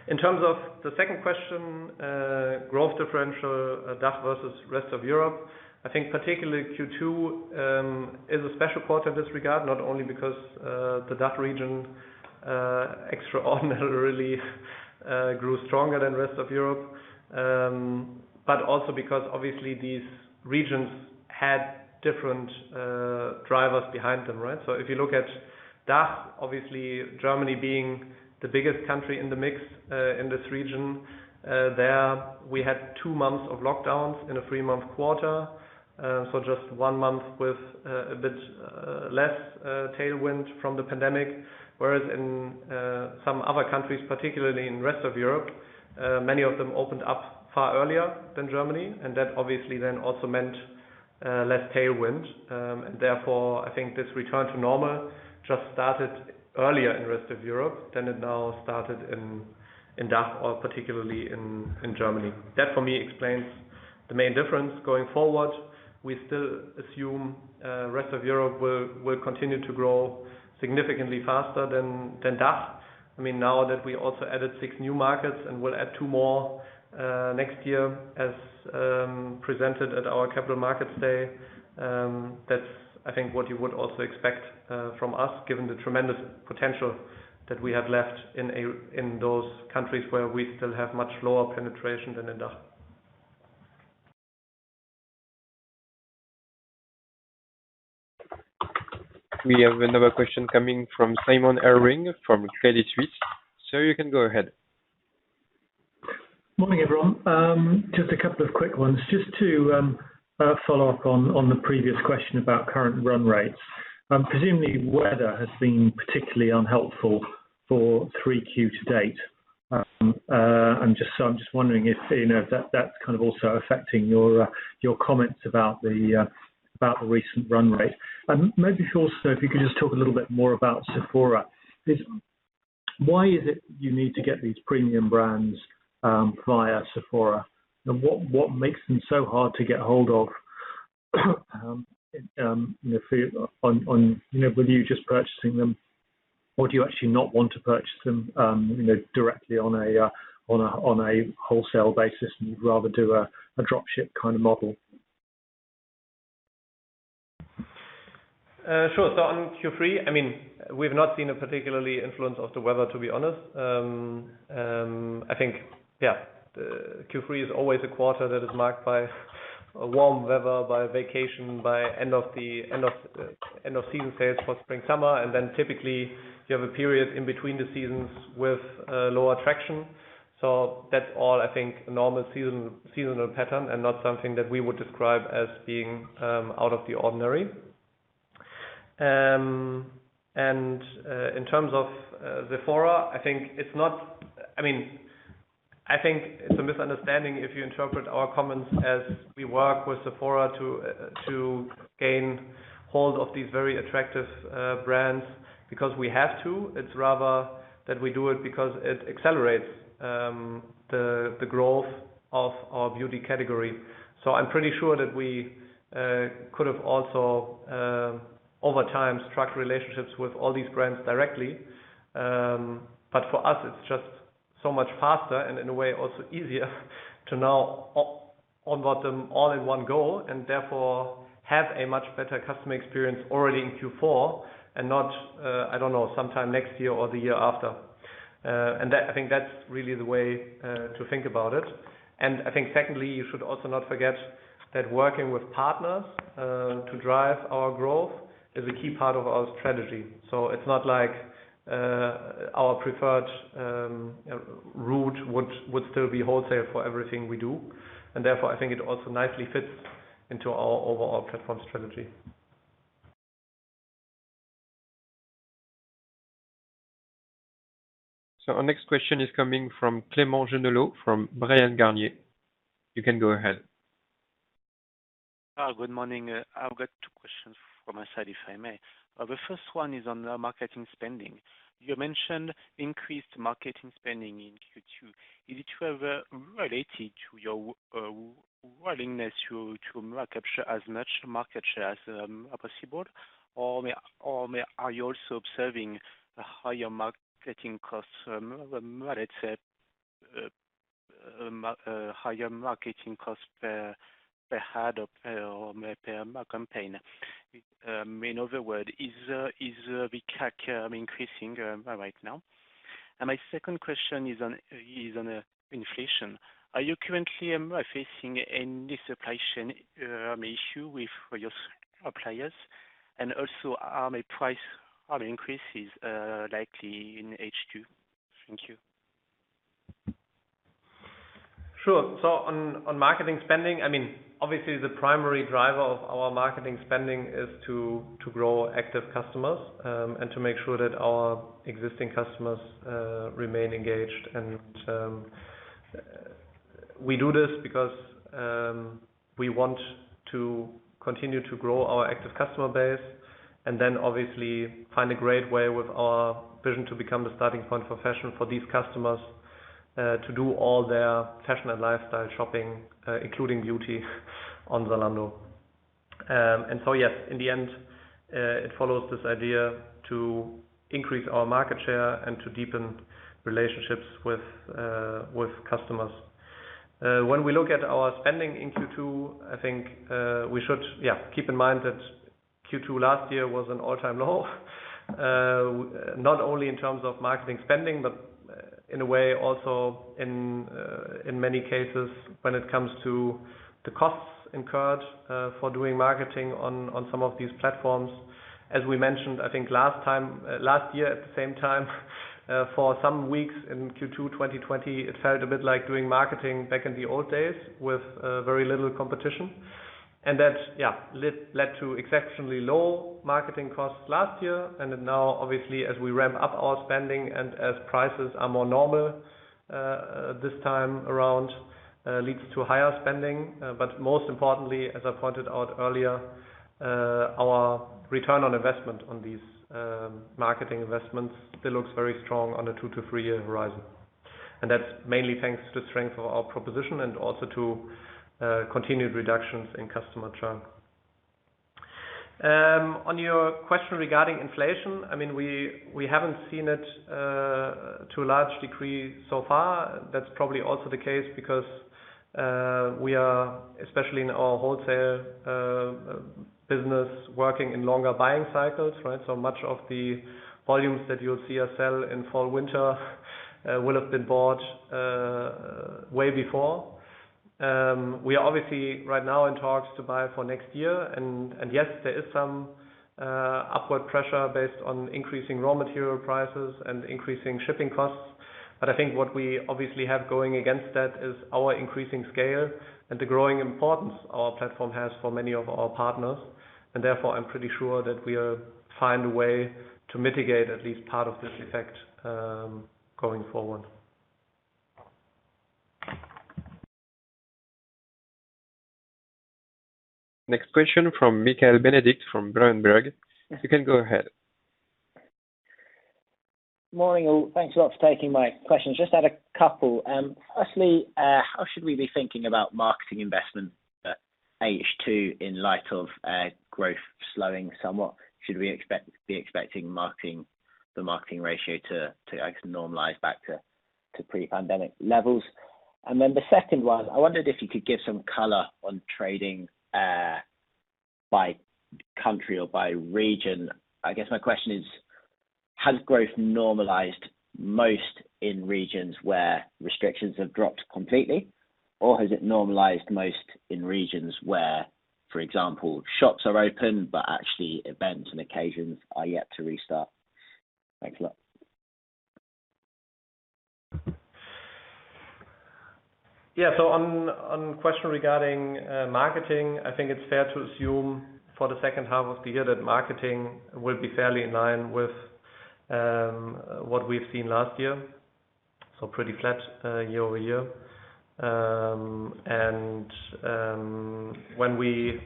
In terms of the second question, growth differential, DACH versus rest of Europe, I think particularly Q2, is a special quarter in this regard, not only because the DACH region, extraordinarily grew stronger than rest of Europe, but also because obviously these regions had different drivers behind them, right? If you look at DACH, obviously Germany being the biggest country in the mix, in this region, there we had two months of lockdowns in a three-month quarter. Just one month with a bit less tailwind from the pandemic, whereas in some other countries, particularly in rest of Europe, many of them opened up far earlier than Germany, and that obviously then also meant less tailwind. Therefore, I think this return to normal just started earlier in rest of Europe than it now started in DACH, or particularly in Germany. That for me explains the main difference going forward. We still assume rest of Europe will continue to grow significantly faster than DACH. Now that we also added six new markets and will add two more next year as presented at our Capital Markets Day, that's I think what you would also expect from us given the tremendous potential that we have left in those countries where we still have much lower penetration than in DACH. We have another question coming from Simon Irwin from Credit Suisse. Sir, you can go ahead. Morning, everyone. Just a couple of quick ones. Just to follow up on the previous question about current run rates. Presumably weather has been particularly unhelpful for 3Q to date. I'm just wondering if that's kind of also affecting your comments about the recent run rate. Maybe also if you could just talk a little bit more about Sephora. Why is it you need to get these premium brands via Sephora? What makes them so hard to get a hold of with you just purchasing them? Do you actually not want to purchase them directly on a wholesale basis and you'd rather do a drop ship kind of model? Sure. On Q3, we've not seen a particularly influence of the weather, to be honest. Q3 is always a quarter that is marked by a warm weather, by vacation, by end of season sales for spring, summer, and then typically you have a period in between the seasons with lower traction. That's all I think a normal seasonal pattern and not something that we would describe as being out of the ordinary. In terms of Sephora, I think it's a misunderstanding if you interpret our comments as we work with Sephora to gain hold of these very attractive brands because we have to. It's rather that we do it because it accelerates the growth of our beauty category. I'm pretty sure that we could have also, over time, struck relationships with all these brands directly. For us it's just so much faster and in a way also easier to now onboard them all in one go and therefore have a much better customer experience already in Q4 and not, I don't know, sometime next year or the year after. I think that's really the way to think about it. I think secondly, you should also not forget that working with partners to drive our growth is a key part of our strategy. It's not like our preferred route would still be wholesale for everything we do. Therefore, I think it also nicely fits into our overall platform strategy. Our next question is coming from Clément Genelot from Bryan Garnier. You can go ahead. Good morning. I've got two questions from my side, if I may. The first one is on the marketing spending. You mentioned increased marketing spending in Q2. Is it related to your willingness to capture as much market share as possible? Are you also observing the higher marketing costs per head or per campaign? In other words, is the CAGR increasing right now? My second question is on inflation. Are you currently facing any supply chain issue with your suppliers? Also, are price increases likely in H2? Thank you. Sure. On marketing spending, obviously the primary driver of our marketing spending is to grow active customers and to make sure that our existing customers remain engaged. We do this because we want to continue to grow our active customer base and then obviously find a great way with our vision to become the starting point for fashion for these customers to do all their fashion and lifestyle shopping, including beauty on Zalando. Yes, in the end, it follows this idea to increase our market share and to deepen relationships with customers. When we look at our spending in Q2, I think we should, yeah, keep in mind that Q2 last year was an all-time low not only in terms of marketing spending, but in a way also in many cases when it comes to the costs incurred for doing marketing on some of these platforms. As we mentioned, I think last year at the same time for some weeks in Q2 2020, it felt a bit like doing marketing back in the old days with very little competition. That led to exceptionally low marketing costs last year. Now obviously as we ramp up our spending and as prices are more normal this time around. Leads to higher spending. Most importantly, as I pointed out earlier, our return on investment on these marketing investments still looks very strong on a two to three-year horizon. That's mainly thanks to the strength of our proposition and also to continued reductions in customer churn. On your question regarding inflation, we haven't seen it to a large degree so far. That's probably also the case because we are, especially in our wholesale business, working in longer buying cycles, right? Much of the volumes that you'll see us sell in fall/winter will have been bought way before. We are obviously right now in talks to buy for next year. Yes, there is some upward pressure based on increasing raw material prices and increasing shipping costs. I think what we obviously have going against that is our increasing scale and the growing importance our platform has for many of our partners. Therefore, I'm pretty sure that we will find a way to mitigate at least part of this effect going forward. Next question from Michael Benedict from Berenberg. You can go ahead. Morning, all. Thanks a lot for taking my questions. Just had a couple. Firstly, how should we be thinking about marketing investment at H2 in light of growth slowing somewhat? Should we be expecting the marketing ratio to actually normalize back to pre-pandemic levels? The second one, I wondered if you could give some color on trading by country or by region. I guess my question is, has growth normalized most in regions where restrictions have dropped completely? Has it normalized most in regions where, for example, shops are open, but actually events and occasions are yet to restart? Thanks a lot. On the question regarding marketing, I think it's fair to assume for the second half of the year that marketing will be fairly in line with what we've seen last year. Pretty flat year-over-year. When we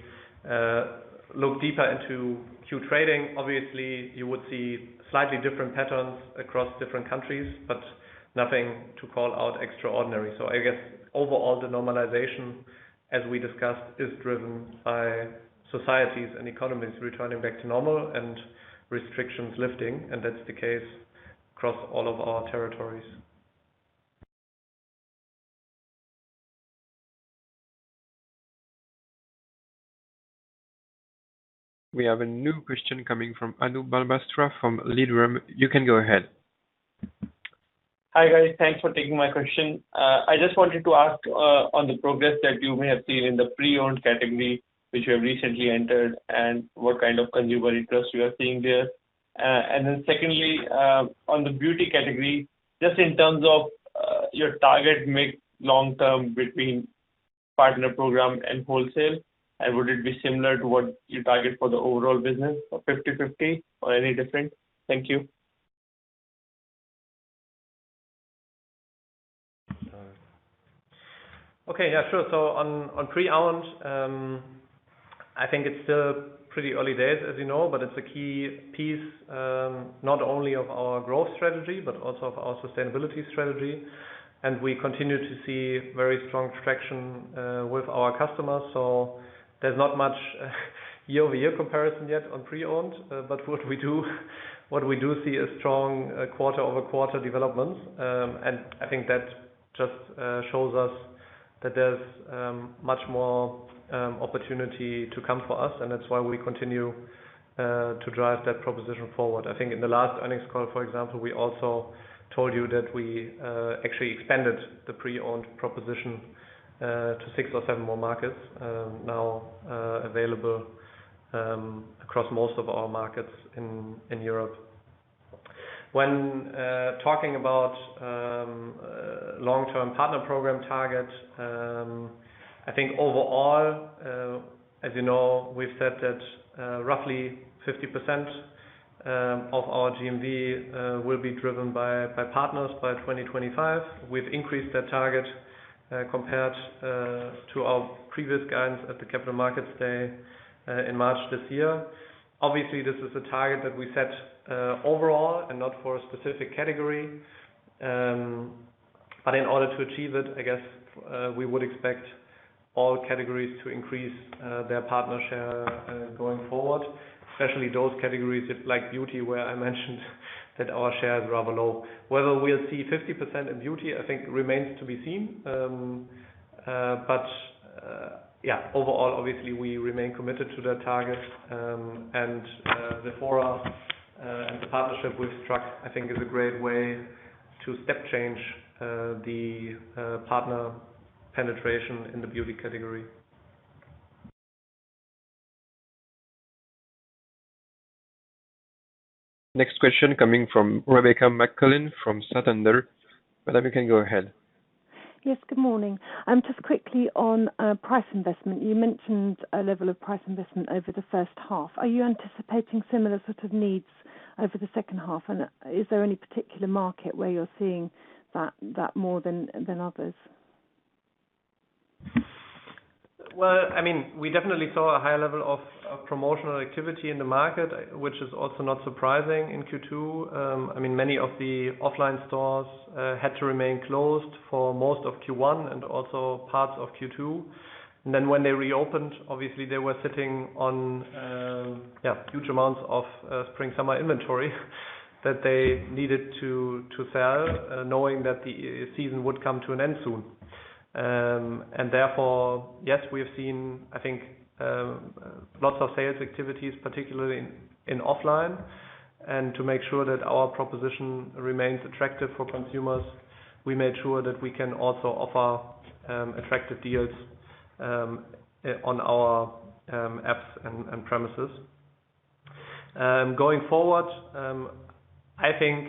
look deeper into Q2 trading, obviously you would see slightly different patterns across different countries, but nothing to call out extraordinary. I guess overall, the normalization, as we discussed, is driven by societies and economies returning back to normal and restrictions lifting, and that's the case across all of our territories. We have a new question coming from Anubhav Malhotra from Liberum. You can go ahead. Hi, guys. Thanks for taking my question. I just wanted to ask on the progress that you may have seen in the Pre-owned category, which you have recently entered, and what kind of consumer interest you are seeing there. Secondly, on the beauty category, just in terms of your target mix long term between Partner Program and wholesale, and would it be similar to what you target for the overall business of 50/50, or any different? Thank you. Okay. Yeah, sure. On Pre-owned, I think it's still pretty early days, as you know, but it's a key piece, not only of our growth strategy, but also of our sustainability strategy. We continue to see very strong traction with our customers. There's not much year-over-year comparison yet on Pre-owned. What we do see is strong quarter-over-quarter development. I think that just shows us that there's much more opportunity to come for us, and that's why we continue to drive that proposition forward. I think in the last earnings call, for example, we also told you that we actually expanded the Pre-owned proposition to six or seven more markets, now available across most of our markets in Europe. When talking about long-term Partner Program targets, I think overall, as you know, we've said that roughly 50% of our GMV will be driven by partners by 2025. We've increased that target compared to our previous guidance at the Capital Markets Day in March this year. This is a target that we set overall and not for a specific category. In order to achieve it, I guess we would expect all categories to increase their partner share going forward, especially those categories like beauty, where I mentioned that our share is rather low. Whether we'll see 50% in beauty, I think remains to be seen. Yeah, overall, obviously we remain committed to that target. Sephora and the partnership we struck, I think is a great way to step change the partner penetration in the beauty category. Next question coming from Rebecca McClellan from Santander. Rebecca, you can go ahead. Yes, good morning. Just quickly on price investment. You mentioned a level of price investment over the first half. Are you anticipating similar sort of needs over the second half? Is there any particular market where you're seeing that more than others? We definitely saw a higher level of promotional activity in the market, which is also not surprising in Q2. Many of the offline stores had to remain closed for most of Q1 and also parts of Q2. When they reopened, obviously, they were sitting on huge amounts of spring/summer inventory that they needed to sell, knowing that the season would come to an end soon. Therefore, yes, we have seen, I think, lots of sales activities, particularly in offline. To make sure that our proposition remains attractive for consumers, we made sure that we can also offer attractive deals on our apps and premises. Going forward, I think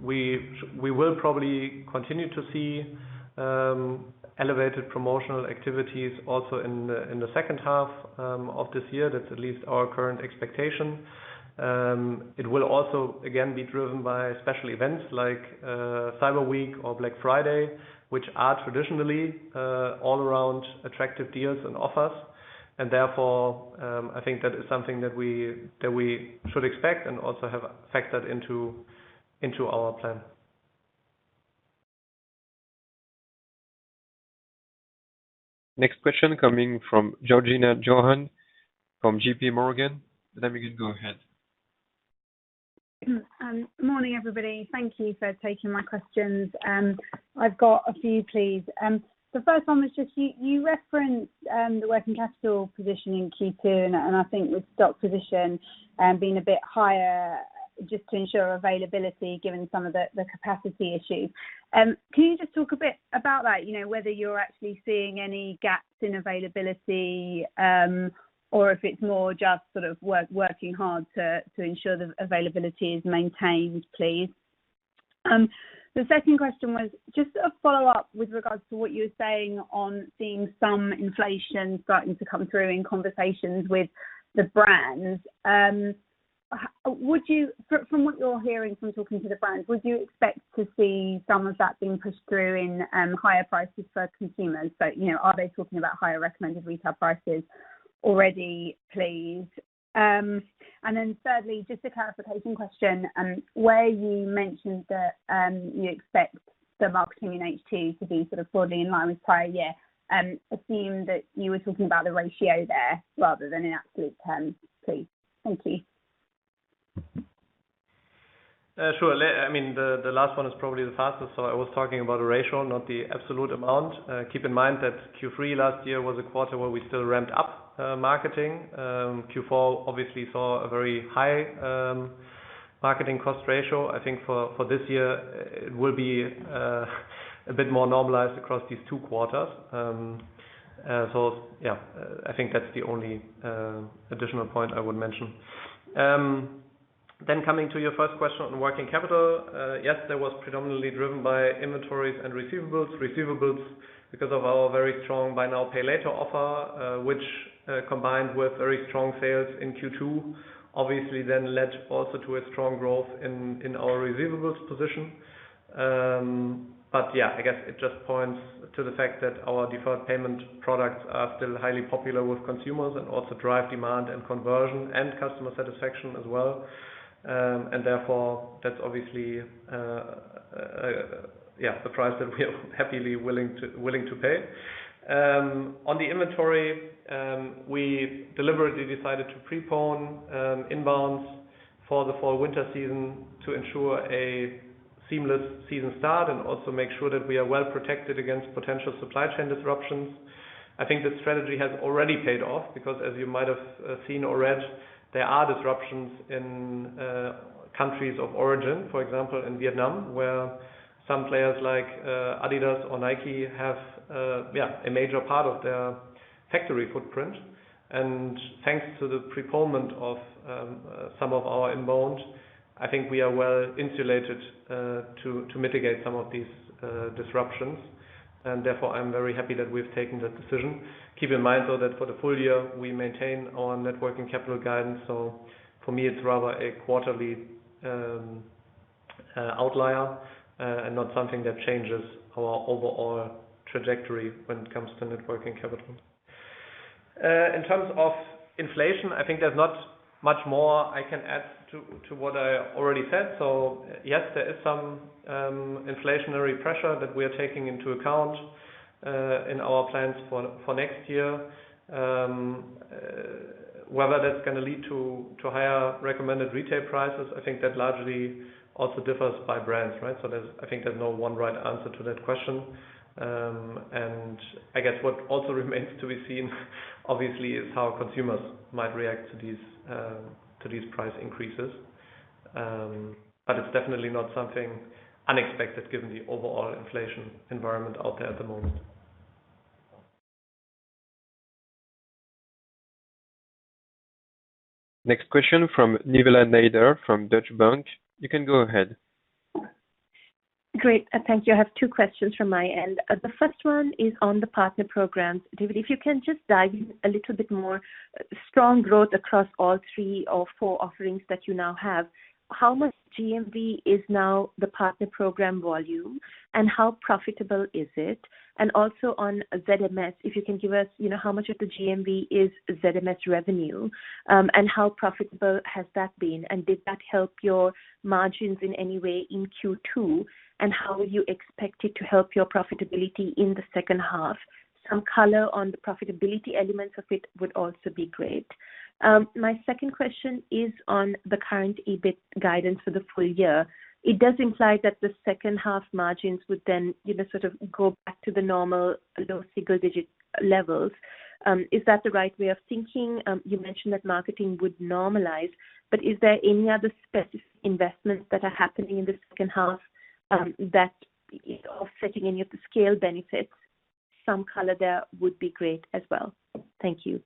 we will probably continue to see elevated promotional activities also in the second half of this year. That's at least our current expectation. It will also, again, be driven by special events like Cyber Week or Black Friday, which are traditionally all around attractive deals and offers. Therefore, I think that is something that we should expect and also have factored into our plan. Next question coming from Georgina Johanan from JPMorgan. We can go ahead. Morning, everybody. Thank you for taking my questions. I've got a few, please. The first one was just you referenced the working capital position in Q2, and I think the stock position being a bit higher just to ensure availability, given some of the capacity issues. Can you just talk a bit about that, whether you're actually seeing any gaps in availability or if it's more just working hard to ensure the availability is maintained, please? The second question was just a follow-up with regards to what you were saying on seeing some inflation starting to come through in conversations with the brands. From what you're hearing from talking to the brands, would you expect to see some of that being pushed through in higher prices for consumers? Are they talking about higher recommended retail prices already, please? Thirdly, just a clarification question, where you mentioned that you expect the marketing in H2 to be broadly in line with prior year, assume that you were talking about the ratio there rather than in absolute terms, please. Thank you. Sure. The last one is probably the fastest. I was talking about the ratio, not the absolute amount. Keep in mind that Q3 last year was a quarter where we still ramped up marketing. Q4 obviously saw a very high marketing cost ratio. I think for this year, it will be a bit more normalized across these two quarters. Yeah, I think that's the only additional point I would mention. Coming to your first question on working capital. Yes, that was predominantly driven by inventories and receivables. Receivables because of our very strong buy now, pay later offer, which combined with very strong sales in Q2, obviously then led also to a strong growth in our receivables position. Yeah, I guess it just points to the fact that our deferred payment products are still highly popular with consumers and also drive demand and conversion and customer satisfaction as well. Therefore, that's obviously the price that we are happily willing to pay. On the inventory, we deliberately decided to prepone inbounds for the fall/winter season to ensure a seamless season start and also make sure that we are well protected against potential supply chain disruptions. I think this strategy has already paid off because as you might have seen or read, there are disruptions in countries of origin, for example, in Vietnam, where some players like adidas or Nike have a major part of their factory footprint. Thanks to the preponement of some of our inbounds, I think we are well insulated to mitigate some of these disruptions, and therefore I'm very happy that we've taken that decision. Keep in mind, though, that for the full year, we maintain our net working capital guidance. For me, it's rather a quarterly outlier and not something that changes our overall trajectory when it comes to net working capital. In terms of inflation, I think there's not much more I can add to what I already said. Yes, there is some inflationary pressure that we are taking into account in our plans for next year. Whether that's going to lead to higher recommended retail prices, I think that largely also differs by brands, right? I think there's no one right answer to that question. I guess what also remains to be seen, obviously, is how consumers might react to these price increases. It's definitely not something unexpected given the overall inflation environment out there at the moment. Next question from Nizla Naizer from Deutsche Bank. You can go ahead. Great. Thank you. I have two questions from my end. The first one is on the Partner Program. David, if you can just dive in a little bit more. Strong growth across all three or four offerings that you now have. How much GMV is now the Partner Program volume, and how profitable is it? Also on ZMS, if you can give us, how much of the GMV is ZMS revenue, and how profitable has that been? Did that help your margins in any way in Q2? How you expect it to help your profitability in the second half? Some color on the profitability elements of it would also be great. My second question is on the current EBIT guidance for the full year. It does imply that the second half margins would then sort of go back to the normal low single-digit levels. Is that the right way of thinking? You mentioned that marketing would normalize, but is there any other specific investments that are happening in the second half that is offsetting any of the scale benefits? Some color there would be great as well. Thank you.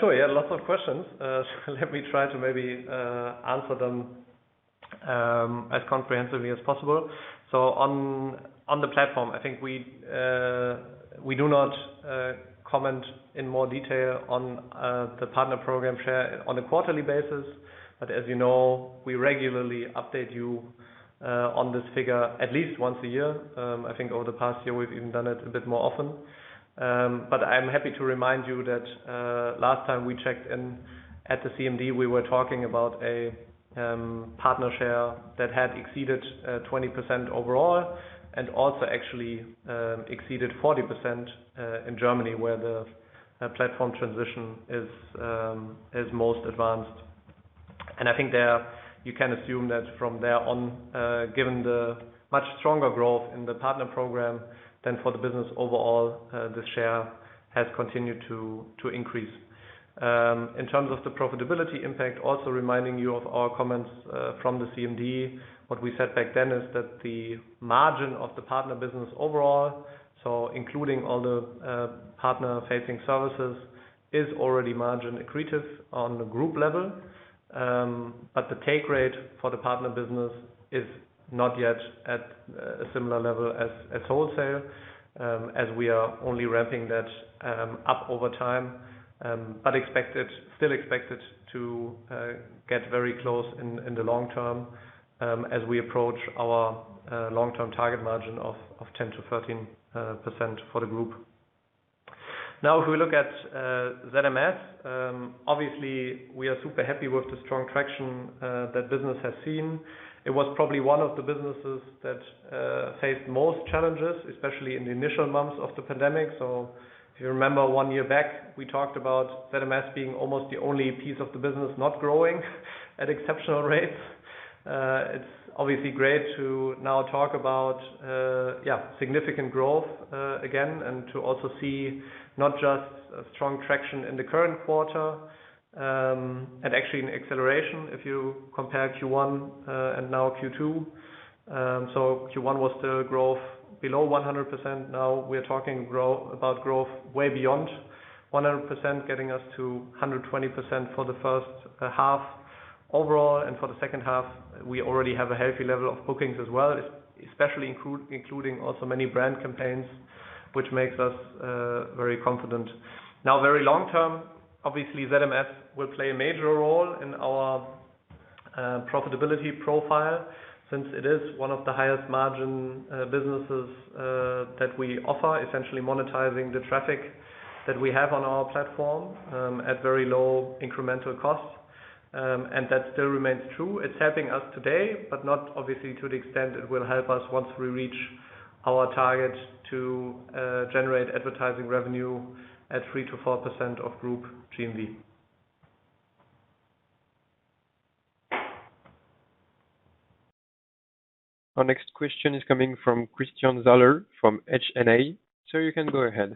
Sure. Yeah, lots of questions. Let me try to maybe answer them as comprehensively as possible. On the platform, I think we do not comment in more detail on the Partner Program share on a quarterly basis. As you know, we regularly update you on this figure at least once a year. I think over the past year, we've even done it a bit more often. I'm happy to remind you that last time we checked in at the CMD, we were talking about a Partner share that had exceeded 20% overall and also actually exceeded 40% in Germany, where the platform transition is most advanced. I think there, you can assume that from there on, given the much stronger growth in the Partner Program than for the business overall, the share has continued to increase. In terms of the profitability impact, also reminding you of our comments from the CMD, what we said back then is that the margin of the partner business overall, so including all the partner-facing services, is already margin accretive on the group level. The take rate for the partner business is not yet at a similar level as wholesale, as we are only ramping that up over time. Still expect it to get very close in the long term as we approach our long-term target margin of 10%-13% for the group. If we look at ZMS, obviously, we are super happy with the strong traction that business has seen. It was probably one of the businesses that faced most challenges, especially in the initial months of the pandemic. If you remember, one year back, we talked about ZMS being almost the only piece of the business not growing at exceptional rates. It's obviously great to now talk about significant growth again and to also see not just a strong traction in the current quarter, and actually an acceleration if you compare Q1 and now Q2. Q1 was still growth below 100%. Now we're talking about growth way beyond 100%, getting us to 120% for the first half overall. For the second half, we already have a healthy level of bookings as well, especially including also many brand campaigns, which makes us very confident. Very long term, obviously, ZMS will play a major role in our profitability profile since it is one of the highest margin businesses that we offer, essentially monetizing the traffic that we have on our platform at very low incremental costs. That still remains true. It's helping us today, but not obviously to the extent it will help us once we reach our target to generate advertising revenue at 3%-4% of group GMV. Our next question is coming from Christian Salis from H&A. Sir, you can go ahead.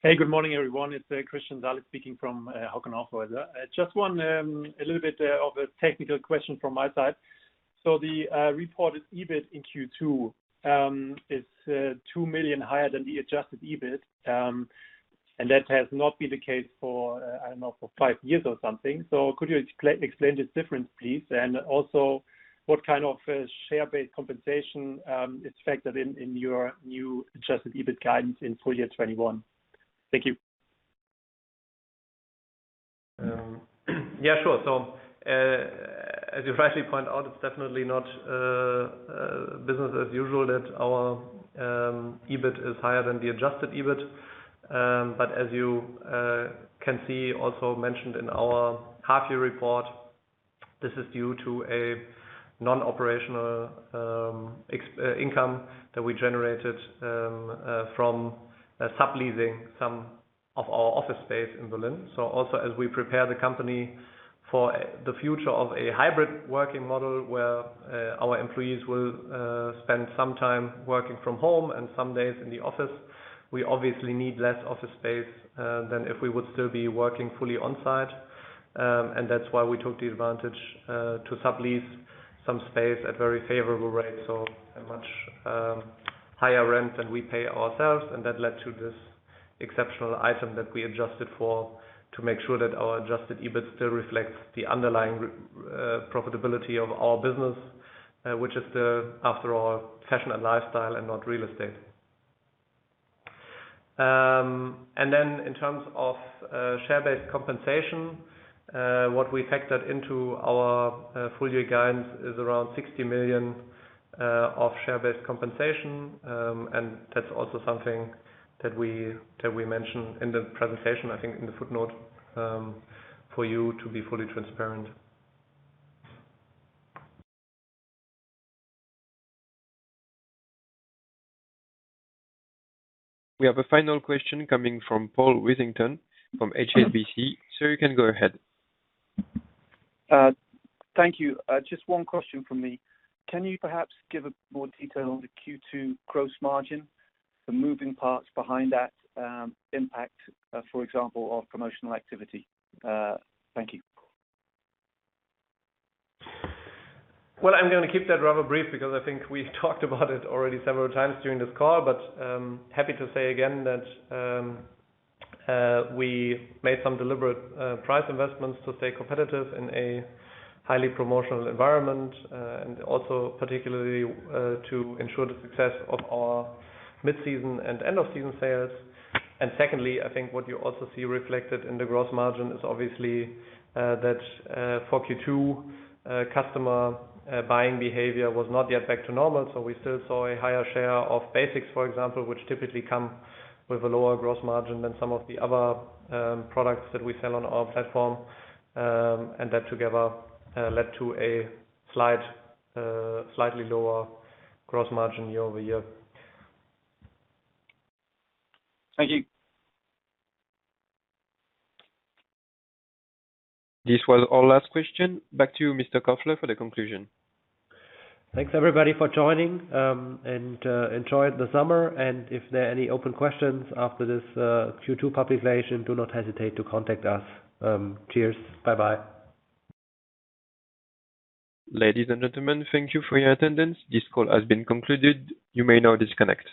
Hey, good morning, everyone. It's Christian Salis speaking from Hauck & Aufhäuser. Just a little bit of a technical question from my side. The reported EBIT in Q2 is 2 million higher than the adjusted EBIT, and that has not been the case for, I don't know, for five years or something. Could you explain this difference, please? Also, what kind of share-based compensation is factored in your new adjusted EBIT guidance in full year 2021? Thank you. Yeah, sure. As you rightly point out, it's definitely not business as usual that our EBIT is higher than the adjusted EBIT. As you can see also mentioned in our half-year report, this is due to a non-operational income that we generated from subleasing some of our office space in Berlin. Also, as we prepare the company for the future of a hybrid working model where our employees will spend some time working from home and some days in the office, we obviously need less office space than if we would still be working fully on-site. That's why we took the advantage to sublease some space at very favorable rates, so a much higher rent than we pay ourselves. That led to this exceptional item that we adjusted for to make sure that our adjusted EBIT still reflects the underlying profitability of our business, which is, after all, fashion and lifestyle and not real estate. Then in terms of share-based compensation, what we factored into our full-year guidance is around 60 million of share-based compensation. That's also something that we mention in the presentation, I think in the footnote, for you to be fully transparent. We have a final question coming from Paul Rossington from HSBC. Sir, you can go ahead. Thank you. Just one question from me. Can you perhaps give more detail on the Q2 gross margin, the moving parts behind that impact, for example, of promotional activity? Thank you. I'm going to keep that rather brief because I think we've talked about it already several times during this call, but happy to say again that we made some deliberate price investments to stay competitive in a highly promotional environment, and also particularly to ensure the success of our mid-season and end-of-season sales. Secondly, I think what you also see reflected in the gross margin is obviously that for Q2, customer buying behavior was not yet back to normal. We still saw a higher share of basics, for example, which typically come with a lower gross margin than some of the other products that we sell on our platform. That together led to a slightly lower gross margin year-over-year. Thank you. This was our last question. Back to you, Mr. Kofler, for the conclusion. Thanks everybody for joining. Enjoy the summer. If there are any open questions after this Q2 publication, do not hesitate to contact us. Cheers. Bye-bye. Ladies and gentlemen, thank you for your attendance. This call has been concluded. You may now disconnect.